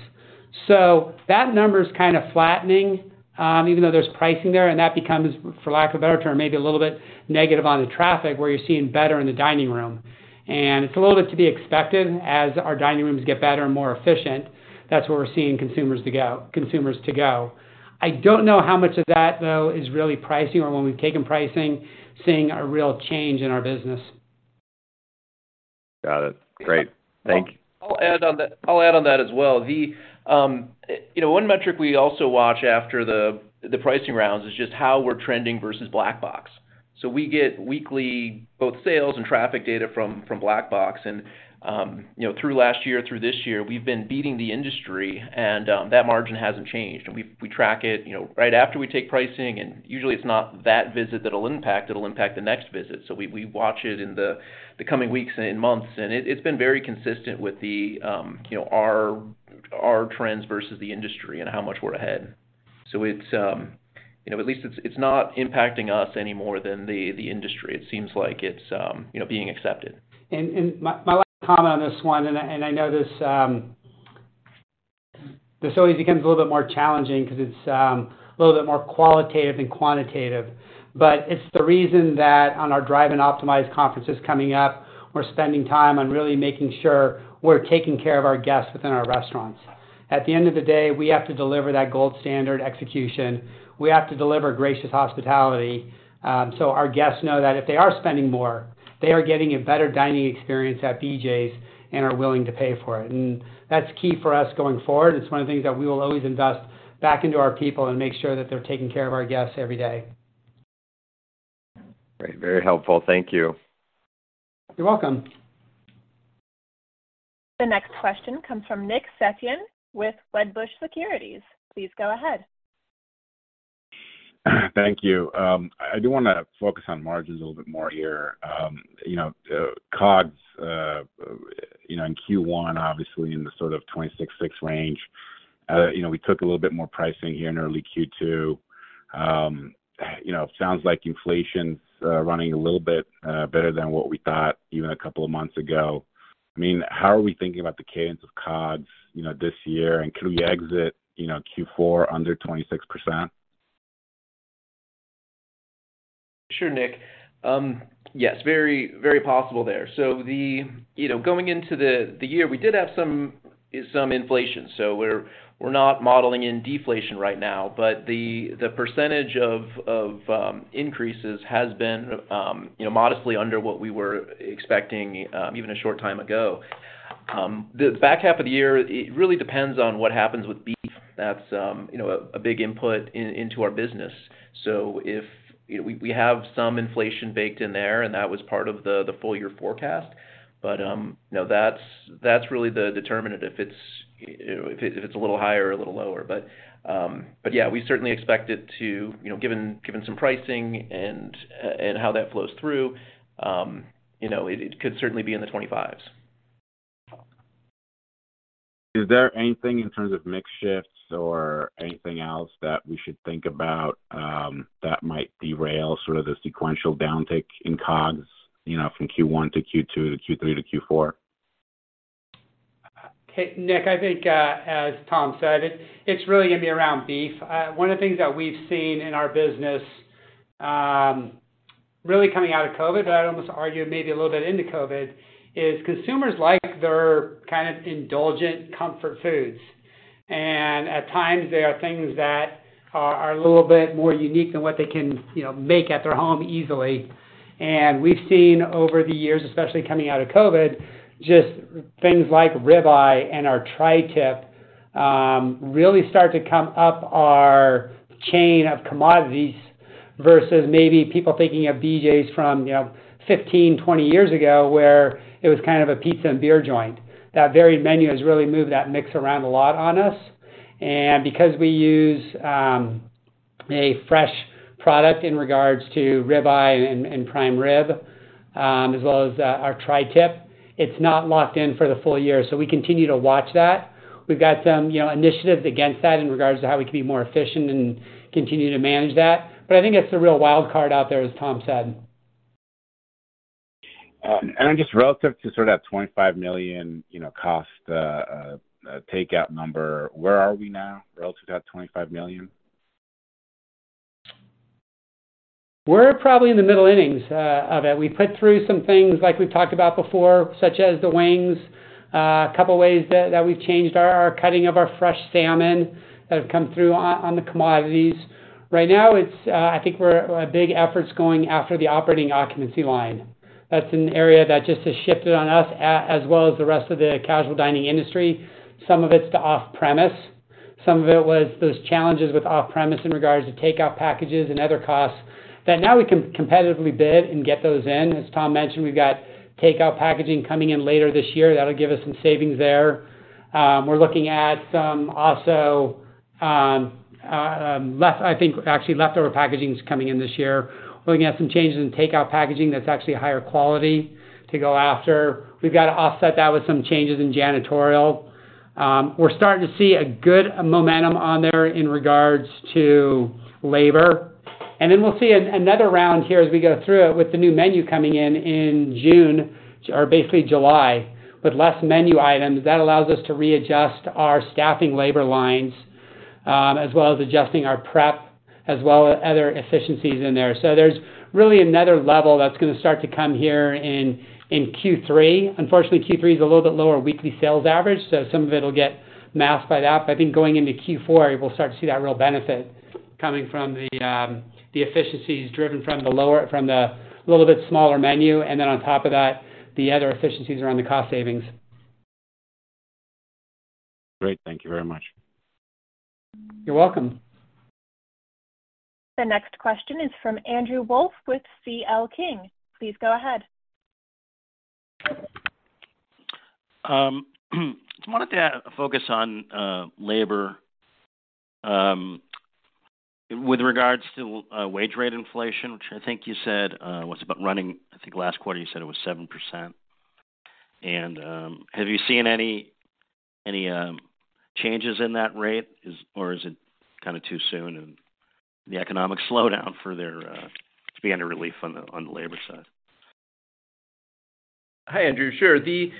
That number's kind of flattening, even though there's pricing there, and that becomes, for lack of a better term, maybe a little bit negative on the traffic where you're seeing better in the dining room. It's a little bit to be expected as our dining rooms get better and more efficient. That's where we're seeing consumers to go. I don't know how much of that, though, is really pricing or when we've taken pricing, seeing a real change in our business. Got it. Great. Thank you. I'll add on that. I'll add on that as well. The, you know, one metric we also watch after the pricing rounds is just how we're trending versus Black Box. We get weekly both sales and traffic data from Black Box. You know, through last year, through this year, we've been beating the industry, and that margin hasn't changed. We track it, you know, right after we take pricing, and usually it's not that visit that'll impact, it'll impact the next visit. We watch it in the coming weeks and months, and it's been very consistent with the, you know, our trends versus the industry and how much we're ahead. It's, you know, at least it's not impacting us any more than the industry. It seems like it's, you know, being accepted. My last comment on this one, and I know this always becomes a little bit more challenging 'cause it's a little bit more qualitative than quantitative. It's the reason that on our Drive and Optimize conferences coming up, we're spending time on really making sure we're taking care of our guests within our restaurants. At the end of the day, we have to deliver that gold standard execution. We have to deliver gracious hospitality, so our guests know that if they are spending more, they are getting a better dining experience at BJ's and are willing to pay for it. That's key for us going forward. It's one of the things that we will always invest back into our people and make sure that they're taking care of our guests every day. Great. Very helpful. Thank you. You're welcome. The next question comes from Nick Setyan with Wedbush Securities. Please go ahead. Thank you. I do wanna focus on margins a little bit more here. You know, COGS, you know, in Q1 obviously in the sort of 26.6% range. You know, we took a little bit more pricing here in early Q2. You know, it sounds like inflation's running a little bit better than what we thought even a couple of months ago. I mean, how are we thinking about the cadence of COGS, you know, this year, and could we exit, you know, Q4 under 26%? Sure, Nick. Yes, very, very possible there. You know, going into the year, we did have some inflation. We're not modeling in deflation right now. The percentage of increases has been, you know, modestly under what we were expecting even a short time ago. The back half of the year, it really depends on what happens with beef. That's, you know, a big input into our business. We have some inflation baked in there, and that was part of the full year forecast. You know, that's really the determinant if it's, you know, if it's a little higher or a little lower. Yeah, we certainly expect it to, you know, given some pricing and how that flows through, you know, it could certainly be in the 25s. Is there anything in terms of mix shifts or anything else that we should think about that might derail sort of the sequential downtick in COGS, you know, from Q1 to Q2 to Q3 to Q4? Nick, I think, as Tom said, it's really gonna be around beef. One of the things that we've seen in our business, really coming out of COVID, but I'd almost argue maybe a little bit into COVID, is consumers like their kind of indulgent comfort foods. At times they are things that are a little bit more unique than what they can, you know, make at their home easily. We've seen over the years, especially coming out of COVID, just things like Rib-Eye and our Tri-Tip, really start to come up our chain of commodities versus maybe people thinking of BJ's from, you know, 15, 20 years ago, where it was kind of a pizza and beer joint. That very menu has really moved that mix around a lot on us. Because we use a fresh product in regards to Rib-Eye and Prime Rib, as well as our Tri-Tip, it's not locked in for the full year. We continue to watch that. We've got some, you know, initiatives against that in regards to how we can be more efficient and continue to manage that. I think it's a real wild card out there, as Tom said. Just relative to sort of that $25 million, you know, cost takeout number, where are we now relative to that $25 million? We're probably in the middle innings of it. We put through some things like we've talked about before, such as the wings. A couple ways that we've changed our cutting of our fresh salmon that have come through on the commodities. Right now, it's, I think a big effort's going after the operating occupancy line. That's an area that just has shifted on us as well as the rest of the casual dining industry. Some of it's to off-premise. Some of it was those challenges with off-premise in regards to takeout packages and other costs that now we can competitively bid and get those in. As Tom mentioned, we've got takeout packaging coming in later this year. That'll give us some savings there. We're looking at some also, I think actually leftover packaging is coming in this year. We're looking at some changes in takeout packaging that's actually higher quality to go after. We've got to offset that with some changes in janitorial. We're starting to see a good momentum on there in regards to labor. We'll see another round here as we go through it with the new menu coming in in June or basically July, with less menu items. That allows us to readjust our staffing labor lines, as well as adjusting our prep, as well as other efficiencies in there. There's really another level that's gonna start to come here in Q3. Unfortunately, Q3 is a little bit lower weekly sales average, so some of it will get masked by that. I think going into Q4, we'll start to see that real benefit coming from the efficiencies driven from the little bit smaller menu, and then on top of that, the other efficiencies around the cost savings. Great. Thank you very much. You're welcome. The next question is from Andrew Wolf with C.L. King. Please go ahead. Just wanted to focus on labor with regards to wage rate inflation, which I think you said was about running, I think last quarter, you said it was 7%. Have you seen any changes in that rate? Or is it kinda too soon in the economic slowdown for there to be any relief on the labor side? Hi, Andrew. Sure. The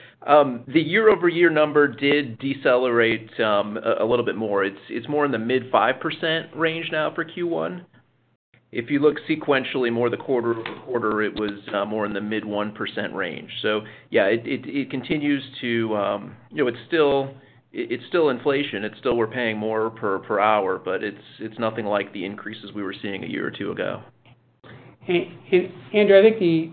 year-over-year number did decelerate a little bit more. It's more in the mid 5% range now for Q1. If you look sequentially more the quarter-over-quarter, it was more in the mid 1% range. Yeah, it continues to. You know, it's still inflation. It's still we're paying more per hour, but it's nothing like the increases we were seeing a year or two ago. Andrew, I think the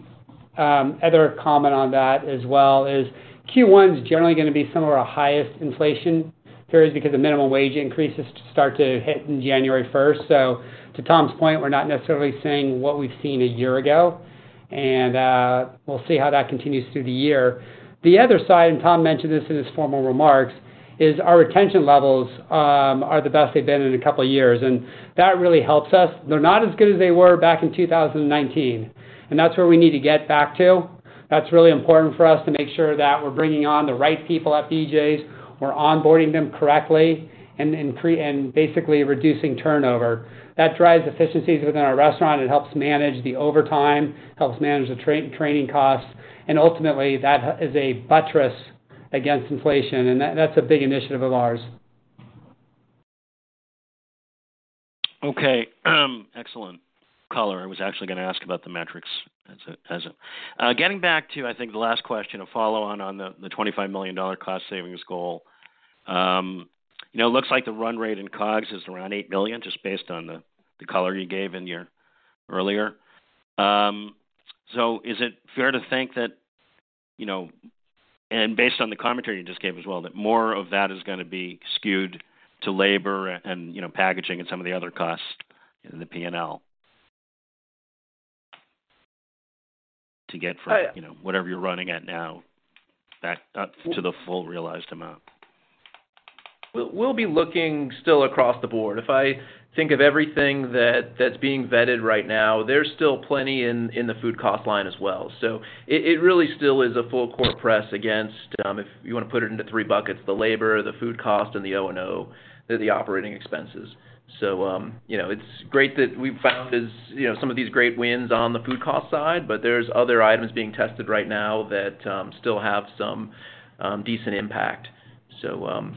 other comment on that as well is Q1 is generally gonna be some of our highest inflation periods because the minimum wage increases start to hit in January 1st. To Tom's point, we're not necessarily seeing what we've seen 1 year ago, and we'll see how that continues through the year. The other side, Tom mentioned this in his formal remarks, is our retention levels are the best they've been in two years, and that really helps us. They're not as good as they were back in 2019, and that's where we need to get back to. That's really important for us to make sure that we're bringing on the right people at BJ's, we're onboarding them correctly and basically reducing turnover. That drives efficiencies within our restaurant. It helps manage the overtime, helps manage the training costs, and ultimately, that is a buttress against inflation, and that's a big initiative of ours. Okay. Excellent color. I was actually gonna ask about the metrics as it, getting back to, I think the last question, a follow-on on the $25 million cost savings goal. You know, it looks like the run rate in COGS is around $8 million, just based on the color you gave in your earlier. Is it fair to think that, you know, and based on the commentary you just gave as well, that more of that is gonna be skewed to labor and, you know, packaging and some of the other costs in the P&L to get from-? I, You know, whatever you're running at now back up to the full realized amount. We'll be looking still across the board. If I think of everything that's being vetted right now, there's still plenty in the food cost line as well. It really still is a full court press against if you wanna put it into three buckets: the labor, the food cost, and the O&O, the operating expenses. You know, it's great that we've found as you know, some of these great wins on the food cost side. There's other items being tested right now that still have some decent impact.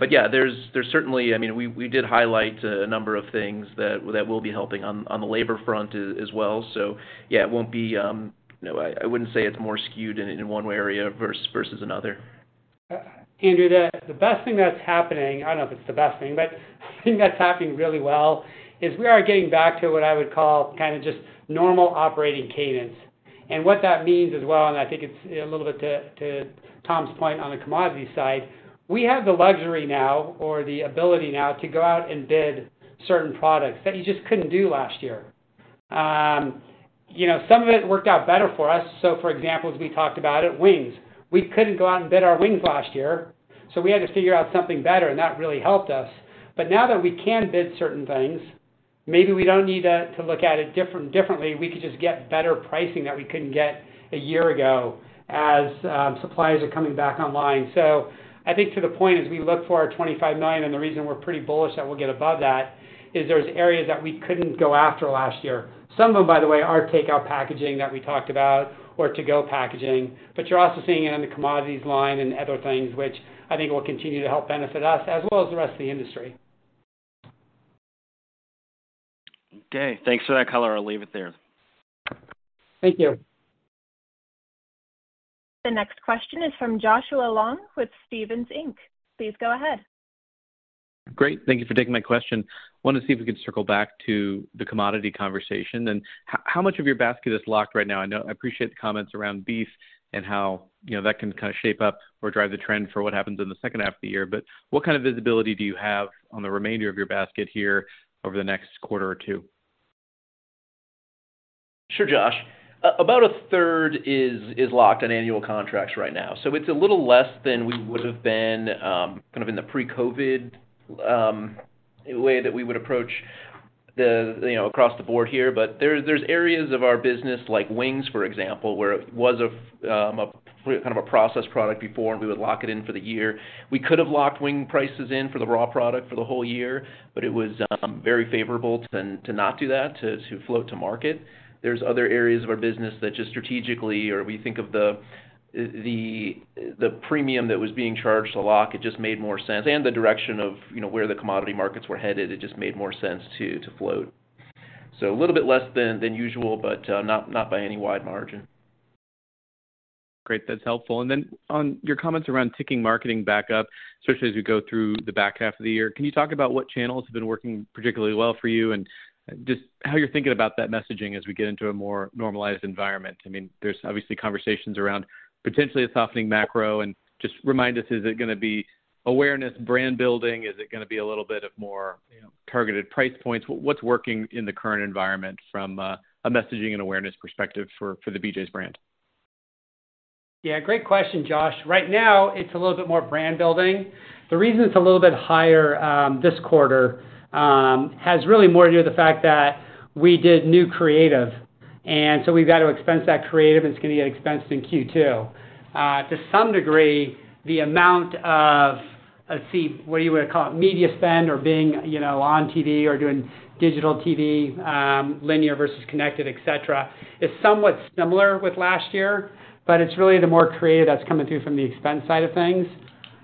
Yeah, there's certainly I mean, we did highlight a number of things that will be helping on the labor front as well. Yeah, it won't be you know I wouldn't say it's more skewed in one area versus another. Andrew, the best thing that's happening, I don't know if it's the best thing, but the thing that's happening really well is we are getting back to what I would call kind of just normal operating cadence. What that means as well, and I think it's a little bit to Tom's point on the commodity side, we have the luxury now or the ability now to go out and bid certain products that you just couldn't do last year. you know, some of it worked out better for us. For example, as we talked about it, wings. We couldn't go out and bid our wings last year, so we had to figure out something better, and that really helped us. Now that we can bid certain things, maybe we don't need to look at it differently. We could just get better pricing that we couldn't get a year ago as suppliers are coming back online. I think to the point is we look for our $25 million, and the reason we're pretty bullish that we'll get above that is there's areas that we couldn't go after last year. Some of them, by the way, are takeout packaging that we talked about or to-go packaging. You're also seeing it in the commodities line and other things which I think will continue to help benefit us as well as the rest of the industry. Okay. Thanks for that color. I'll leave it there. Thank you. The next question is from Joshua Long with Stephens Inc, please go ahead. Great. Thank you for taking my question. Wanted to see if we could circle back to the commodity conversation. How much of your basket is locked right now? I appreciate the comments around beef and how, you know, that can kind of shape up or drive the trend for what happens in the second half of the year. What kind of visibility do you have on the remainder of your basket here over the next quarter or two? Sure, Josh. About a third is locked on annual contracts right now. It's a little less than we would have been, kind of in the pre-COVID way that we would approach the, you know, across the board here. There, there's areas of our business, like wings, for example, where it was kind of a processed product before and we would lock it in for the year. We could have locked wing prices in for the raw product for the whole year, but it was very favorable to not do that, to float to market. There's other areas of our business that just strategically or we think of the premium that was being charged to lock, it just made more sense, and the direction of, you know, where the commodity markets were headed, it just made more sense to float. A little bit less than usual, but not by any wide margin. Great. That's helpful. Then on your comments around ticking marketing back up, especially as we go through the back half of the year, can you talk about what channels have been working particularly well for you and just how you're thinking about that messaging as we get into a more normalized environment? I mean, there's obviously conversations around potentially a softening macro. Just remind us, is it gonna be awareness, brand building? Is it gonna be a little bit of more, you know, targeted price points? What's working in the current environment from a messaging and awareness perspective for the BJ's brand? Great question, Josh. Right now, it's a little bit more brand building. The reason it's a little bit higher, this quarter, has really more to do with the fact that we did new creative, and so we've got to expense that creative, and it's gonna get expensed in Q2. To some degree, the amount of, let's see, what you would call it, media spend or being, you know, on TV or doing digital TV, linear versus connected, et cetera, is somewhat similar with last year, but it's really the more creative that's coming through from the expense side of things.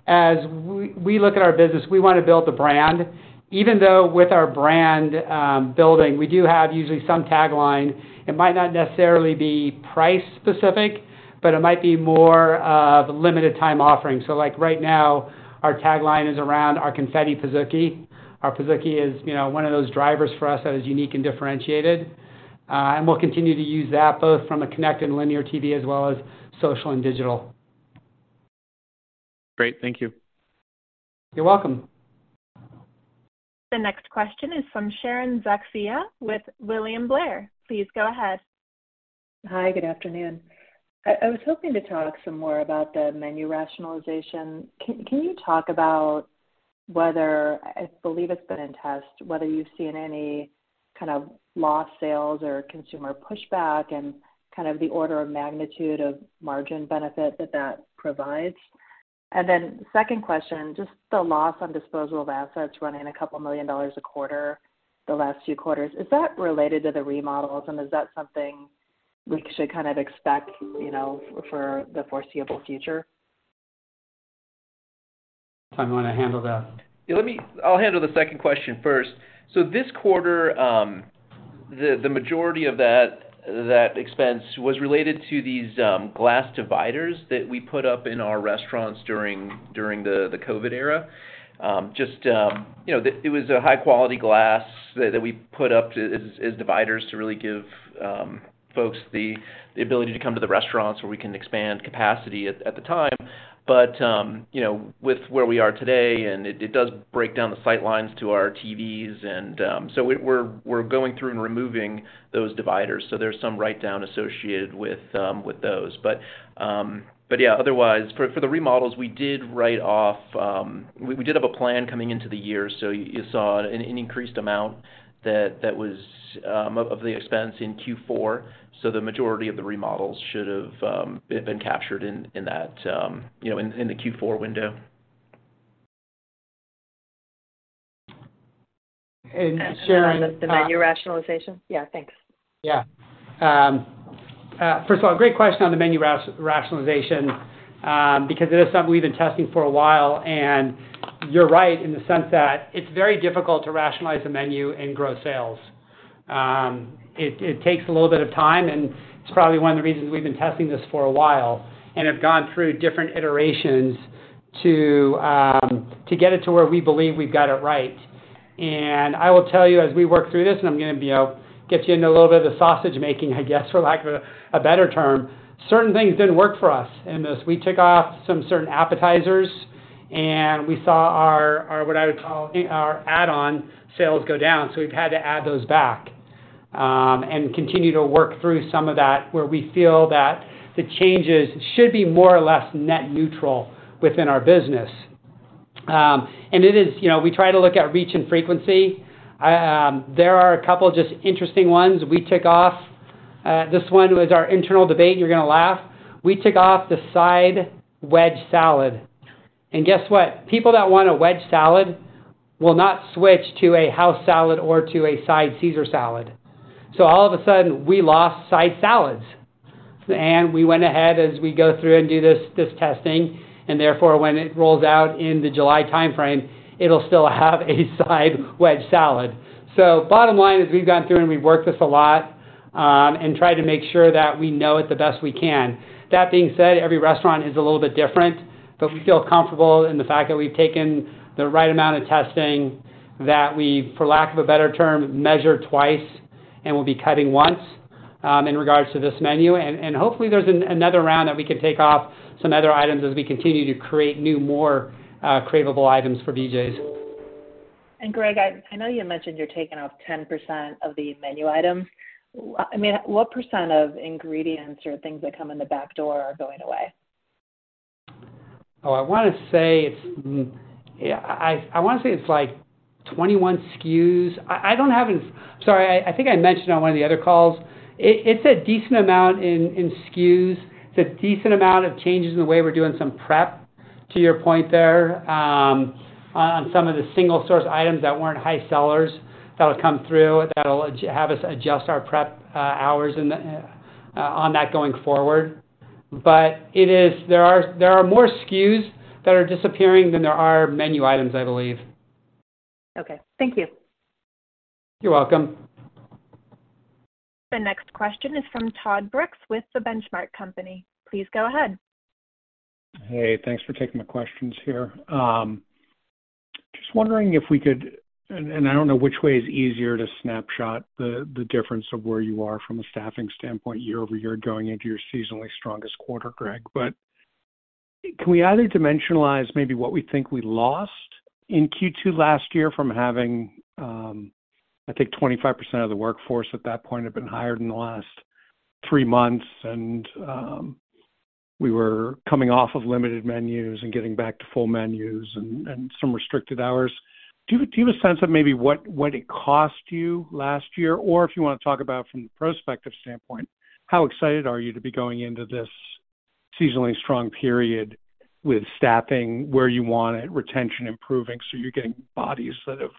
As we look at our business, we wanna build the brand. Even though with our brand, building, we do have usually some tagline. It might not necessarily be price specific, but it might be more of limited time offerings. Like right now, our tagline is around our Confetti Pizookie. Our Pizookie is, you know, one of those drivers for us that is unique and differentiated. We'll continue to use that both from a connected and linear TV as well as social and digital. Great. Thank you. You're welcome. The next question is from Sharon Zackfia with William Blair. Please go ahead. Hi, good afternoon. I was hoping to talk some more about the menu rationalization. Can you talk about whether, I believe it's been in test, whether you've seen any kind of lost sales or consumer pushback and kind of the order of magnitude of margin benefit that that provides? Second question, just the loss on disposal of assets running $2 million a quarter the last few quarters. Is that related to the remodels, and is that something we should kind of expect, you know, for the foreseeable future? Tim, you wanna handle that? Yeah, let me-- I'll handle the second question first. So this quarter, um, the majority of that expense was related to these, um, glass dividers that we put up in our restaurants during the COVID era. Um, just, um, you know, the-- it was a high-quality glass that we put up to as dividers to really give, um, folks the ability to come to the restaurants, where we can expand capacity at the time. But, um, you know, with where we are today, and it does break down the sight lines to our TVs and, um, so we-we're, we're going through and removing those dividers. So there's some write-down associated with, um, with those. But, um, but yeah, otherwise for the remodels, we did write off, um... We did have a plan coming into the year, so you saw an increased amount that was of the expense in Q4. The majority of the remodels should have been captured in that, you know, in the Q4 window. Sharon. On the menu rationalization? Yeah, thanks. Yeah. First of all, great question on the menu rationalization, because it is something we've been testing for a while. You're right in the sense that it's very difficult to rationalize a menu and grow sales. It takes a little bit of time, and it's probably one of the reasons we've been testing this for a while and have gone through different iterations to get it to where we believe we've got it right. I will tell you, as we work through this, and I'm gonna, you know, get you into a little bit of the sausage making, I guess, for lack of a better term, certain things didn't work for us in this. We took off some certain appetizers, and we saw our, what I would call our add-on sales go down. We've had to add those back, and continue to work through some of that where we feel that the changes should be more or less net neutral within our business. It is, you know, we try to look at reach and frequency. There are a couple just interesting ones we took off. This one was our internal debate. You're gonna laugh. We took off the side wedge salad. Guess what? People that want a wedge salad will not switch to a house salad or to a side Caesar salad. All of a sudden, we lost side salads. We went ahead as we go through and do this testing, and therefore, when it rolls out in the July timeframe, it'll still have a side wedge salad. Bottom line is we've gone through and we've worked this a lot, and tried to make sure that we know it the best we can. That being said, every restaurant is a little bit different, but we feel comfortable in the fact that we've taken the right amount of testing, that we, for lack of a better term, measure twice and will be cutting once, in regards to this menu. Hopefully there's another round that we can take off some other items as we continue to create new, more, craveable items for BJ's. Greg, I know you mentioned you're taking off 10% of the menu items. I mean, what % of ingredients or things that come in the back door are going away? I wanna say it's, yeah, I wanna say it's like 21 SKUs. I don't have an... Sorry, I think I mentioned on one of the other calls. It's a decent amount in SKUs. It's a decent amount of changes in the way we're doing some prep, to your point there, on some of the single source items that weren't high sellers that'll come through, that'll have us adjust our prep hours in the on that going forward. It is, there are more SKUs that are disappearing than there are menu items, I believe. Okay. Thank you. You're welcome. The next question is from Todd Brooks with The Benchmark Company. Please go ahead. Hey, thanks for taking my questions here. Just wondering if we could, and I don't know which way is easier to snapshot the difference of where you are from a staffing standpoint year-over-year going into your seasonally strongest quarter, Greg, but can we either dimensionalize maybe what we think we lost in Q2 last year from having, I think 25% of the workforce at that point had been hired in the last three months and we were coming off of limited menus and getting back to full menus and some restricted hours. Do you have a sense of maybe what it cost you last year? If you wanna talk about from the prospective standpoint, how excited are you to be going into this seasonally strong period with staffing where you want it, retention improving, so you're getting bodies that have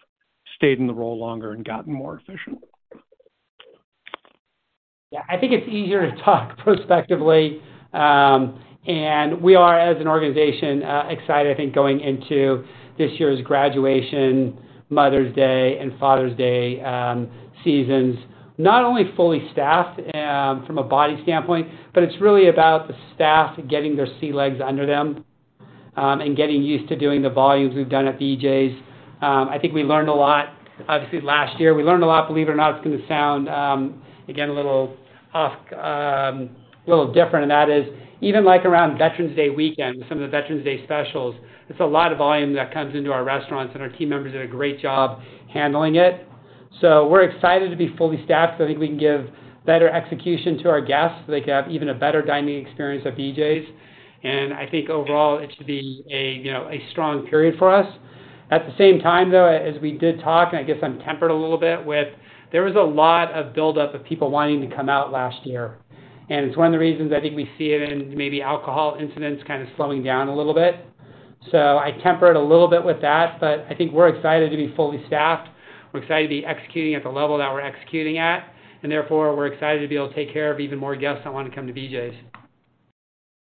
stayed in the role longer and gotten more efficient? Yeah. I think it's easier to talk prospectively. We are, as an organization, excited, I think, going into this year's graduation, Mother's Day, and Father's Day seasons, not only fully staffed from a body standpoint, but it's really about the staff getting their sea legs under them and getting used to doing the volumes we've done at BJ's. I think we learned a lot, obviously, last year. We learned a lot. Believe it or not, it's gonna sound again, a little husk, a little different, and that is even like around Veterans Day weekend, some of the Veterans Day specials, it's a lot of volume that comes into our restaurants, and our team members did a great job handling it. We're excited to be fully staffed. I think we can give better execution to our guests so they can have even a better dining experience at BJ's. I think overall, it should be a, you know, a strong period for us. At the same time, though, as we did talk, and I guess I'm tempered a little bit with, there was a lot of buildup of people wanting to come out last year, and it's one of the reasons I think we see it in maybe alcohol incidents kind of slowing down a little bit. I temper it a little bit with that, but I think we're excited to be fully staffed. We're excited to be executing at the level that we're executing at. Therefore, we're excited to be able to take care of even more guests that wanna come to BJ's.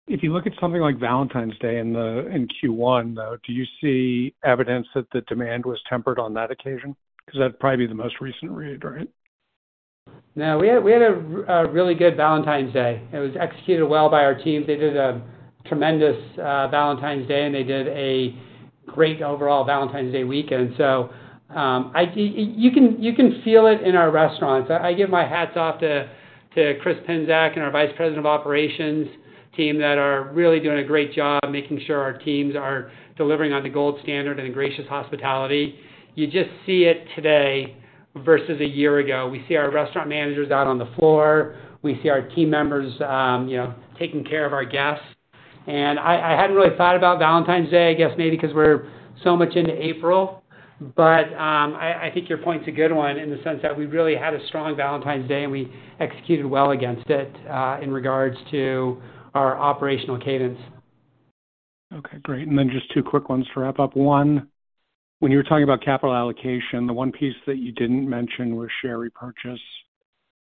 If you look at something like Valentine's Day in the, in Q1, though, do you see evidence that the demand was tempered on that occasion? Because that'd probably be the most recent read, right? No. We had a really good Valentine's Day. It was executed well by our teams. They did a tremendous Valentine's Day, and they did a great overall Valentine's Day weekend. I think you can feel it in our restaurants. I give my hats off to Chris Pinsak and our Vice President of Operations team that are really doing a great job making sure our teams are delivering on the gold standard and gracious hospitality. You just see it today versus a year ago. We see our restaurant managers out on the floor. We see our team members, you know, taking care of our guests. I hadn't really thought about Valentine's Day, I guess maybe because we're so much into April. I think your point's a good one in the sense that we really had a strong Valentine's Day, and we executed well against it in regards to our operational cadence. Okay, great. Then just two quick ones to wrap up. One, when you were talking about capital allocation, the one piece that you didn't mention was share repurchase.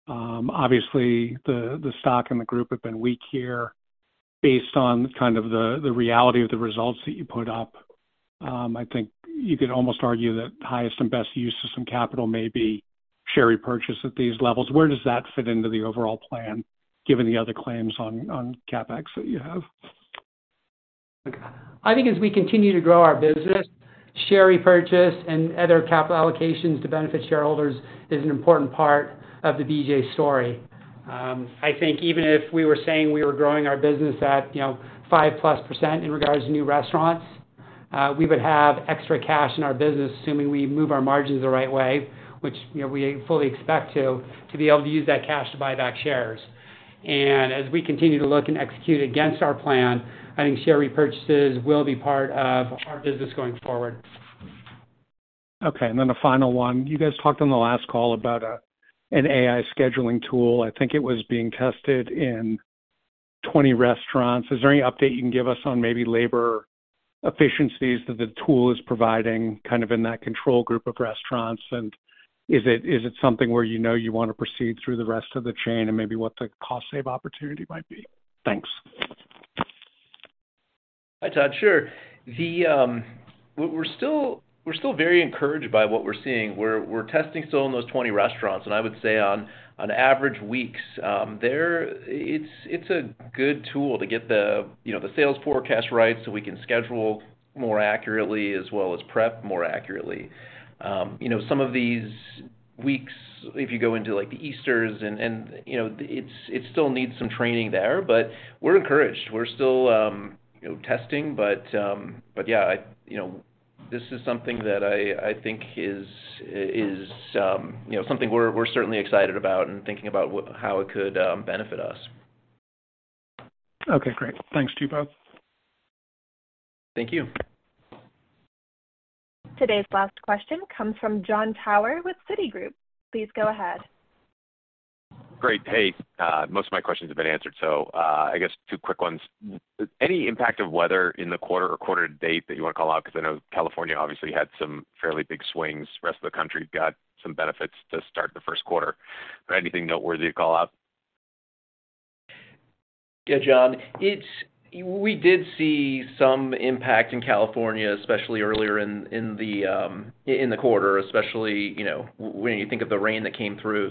Obviously, the stock and the group have been weak here. Based on kind of the reality of the results that you put up, I think you could almost argue that highest and best use of some capital may be share repurchase at these levels. Where does that fit into the overall plan, given the other claims on CapEx that you have? I think as we continue to grow our business, share repurchase and other capital allocations to benefit shareholders is an important part of the BJ's story. I think even if we were saying we were growing our business at, you know, 5+% in regards to new restaurants, we would have extra cash in our business, assuming we move our margins the right way, which, you know, we fully expect to be able to use that cash to buy back shares. As we continue to look and execute against our plan, I think share repurchases will be part of our business going forward. Okay. The final one. You guys talked on the last call about an AI scheduling tool. I think it was being tested in 20 restaurants. Is there any update you can give us on maybe labor efficiencies that the tool is providing kind of in that control group of restaurants? Is it something where you know you wanna proceed through the rest of the chain and maybe what the cost save opportunity might be? Thanks. Hi, Todd. Sure. The, we're still very encouraged by what we're seeing. We're testing still in those 20 restaurants. I would say on average weeks, there, it's a good tool to get the, you know, the sales forecast right so we can schedule more accurately as well as prep more accurately. You know, some of these weeks, if you go into like the Easters and, you know, it still needs some training there, but we're encouraged. We're still, you know, testing. Yeah, you know, this is something that I think is, you know, something we're certainly excited about and thinking about how it could benefit us. Okay, great. Thanks to you both. Thank you. Today's last question comes from Jon Tower with Citigroup. Please go ahead. Great. Hey, most of my questions have been answered, so, I guess two quick ones. Any impact of weather in the quarter or quarter-to-date that you wanna call out? Because I know California obviously had some fairly big swings. The rest of the country got some benefits to start the first quarter. Anything noteworthy to call out? Yeah, Jon, we did see some impact in California, especially earlier in the quarter, especially, you know, when you think of the rain that came through.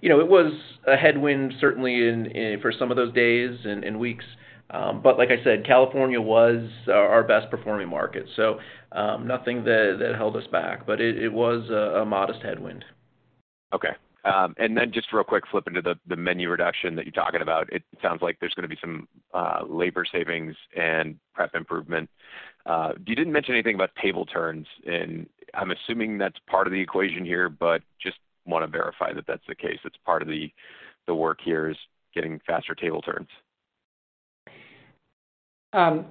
You know, it was a headwind certainly for some of those days and weeks. But like I said, California was our best performing market. Nothing that held us back, but it was a modest headwind. Okay. Then just real quick flip into the menu reduction that you're talking about. It sounds like there's gonna be some labor savings and prep improvement. You didn't mention anything about table turns, and I'm assuming that's part of the equation here, but just wanna verify that that's the case. It's part of the work here is getting faster table turns.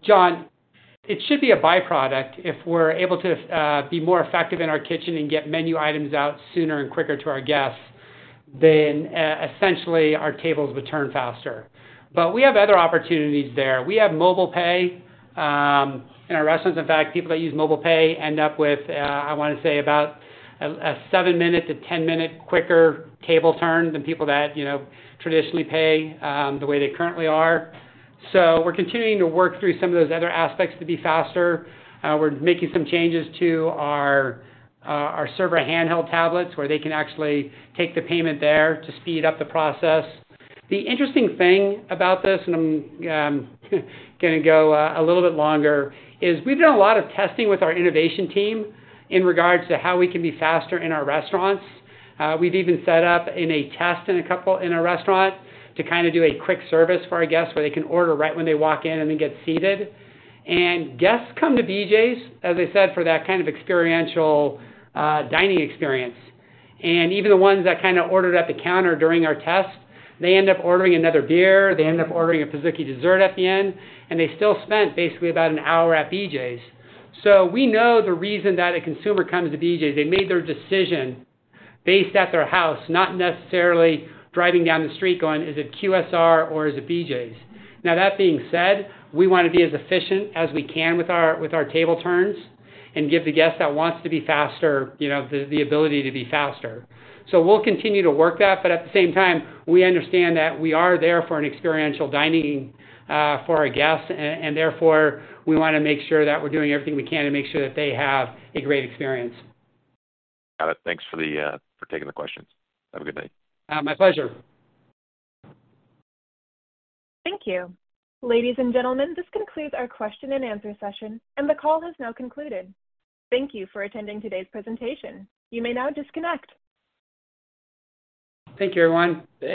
Jon, it should be a by-product if we're able to be more effective in our kitchen and get menu items out sooner and quicker to our guests, essentially, our tables would turn faster. We have other opportunities there. We have Mobile Pay in our restaurants. In fact, people that use Mobile Pay end up with, I wanna say about a seven-minute to 10-minute quicker table turn than people that, you know, traditionally pay the way they currently are. We're continuing to work through some of those other aspects to be faster. We're making some changes to our server handheld tablets, where they can actually take the payment there to speed up the process. The interesting thing about this, and I'm gonna go a little bit longer, is we've done a lot of testing with our innovation team in regards to how we can be faster in our restaurants. We've even set up in a test in a restaurant to kinda do a quick service for our guests, where they can order right when they walk in and then get seated. Guests come to BJ's, as I said, for that kind of experiential dining experience. Even the ones that kinda ordered at the counter during our test, they end up ordering another beer, they end up ordering a Pizookie dessert at the end, and they still spent basically about an hour at BJ's. We know the reason that a consumer comes to BJ's, they made their decision based at their house, not necessarily driving down the street going, "Is it QSR or is it BJ's?" That being said, we wanna be as efficient as we can with our table turns and give the guest that wants to be faster, you know, the ability to be faster. We'll continue to work that, but at the same time, we understand that we are there for an experiential dining for our guests. Therefore, we wanna make sure that we're doing everything we can to make sure that they have a great experience. Got it. Thanks for the for taking the questions. Have a good day. My pleasure. Thank you. Ladies and gentlemen, this concludes our question and answer session. The call has now concluded. Thank you for attending today's presentation. You may now disconnect. Thank you, everyone. Thanks.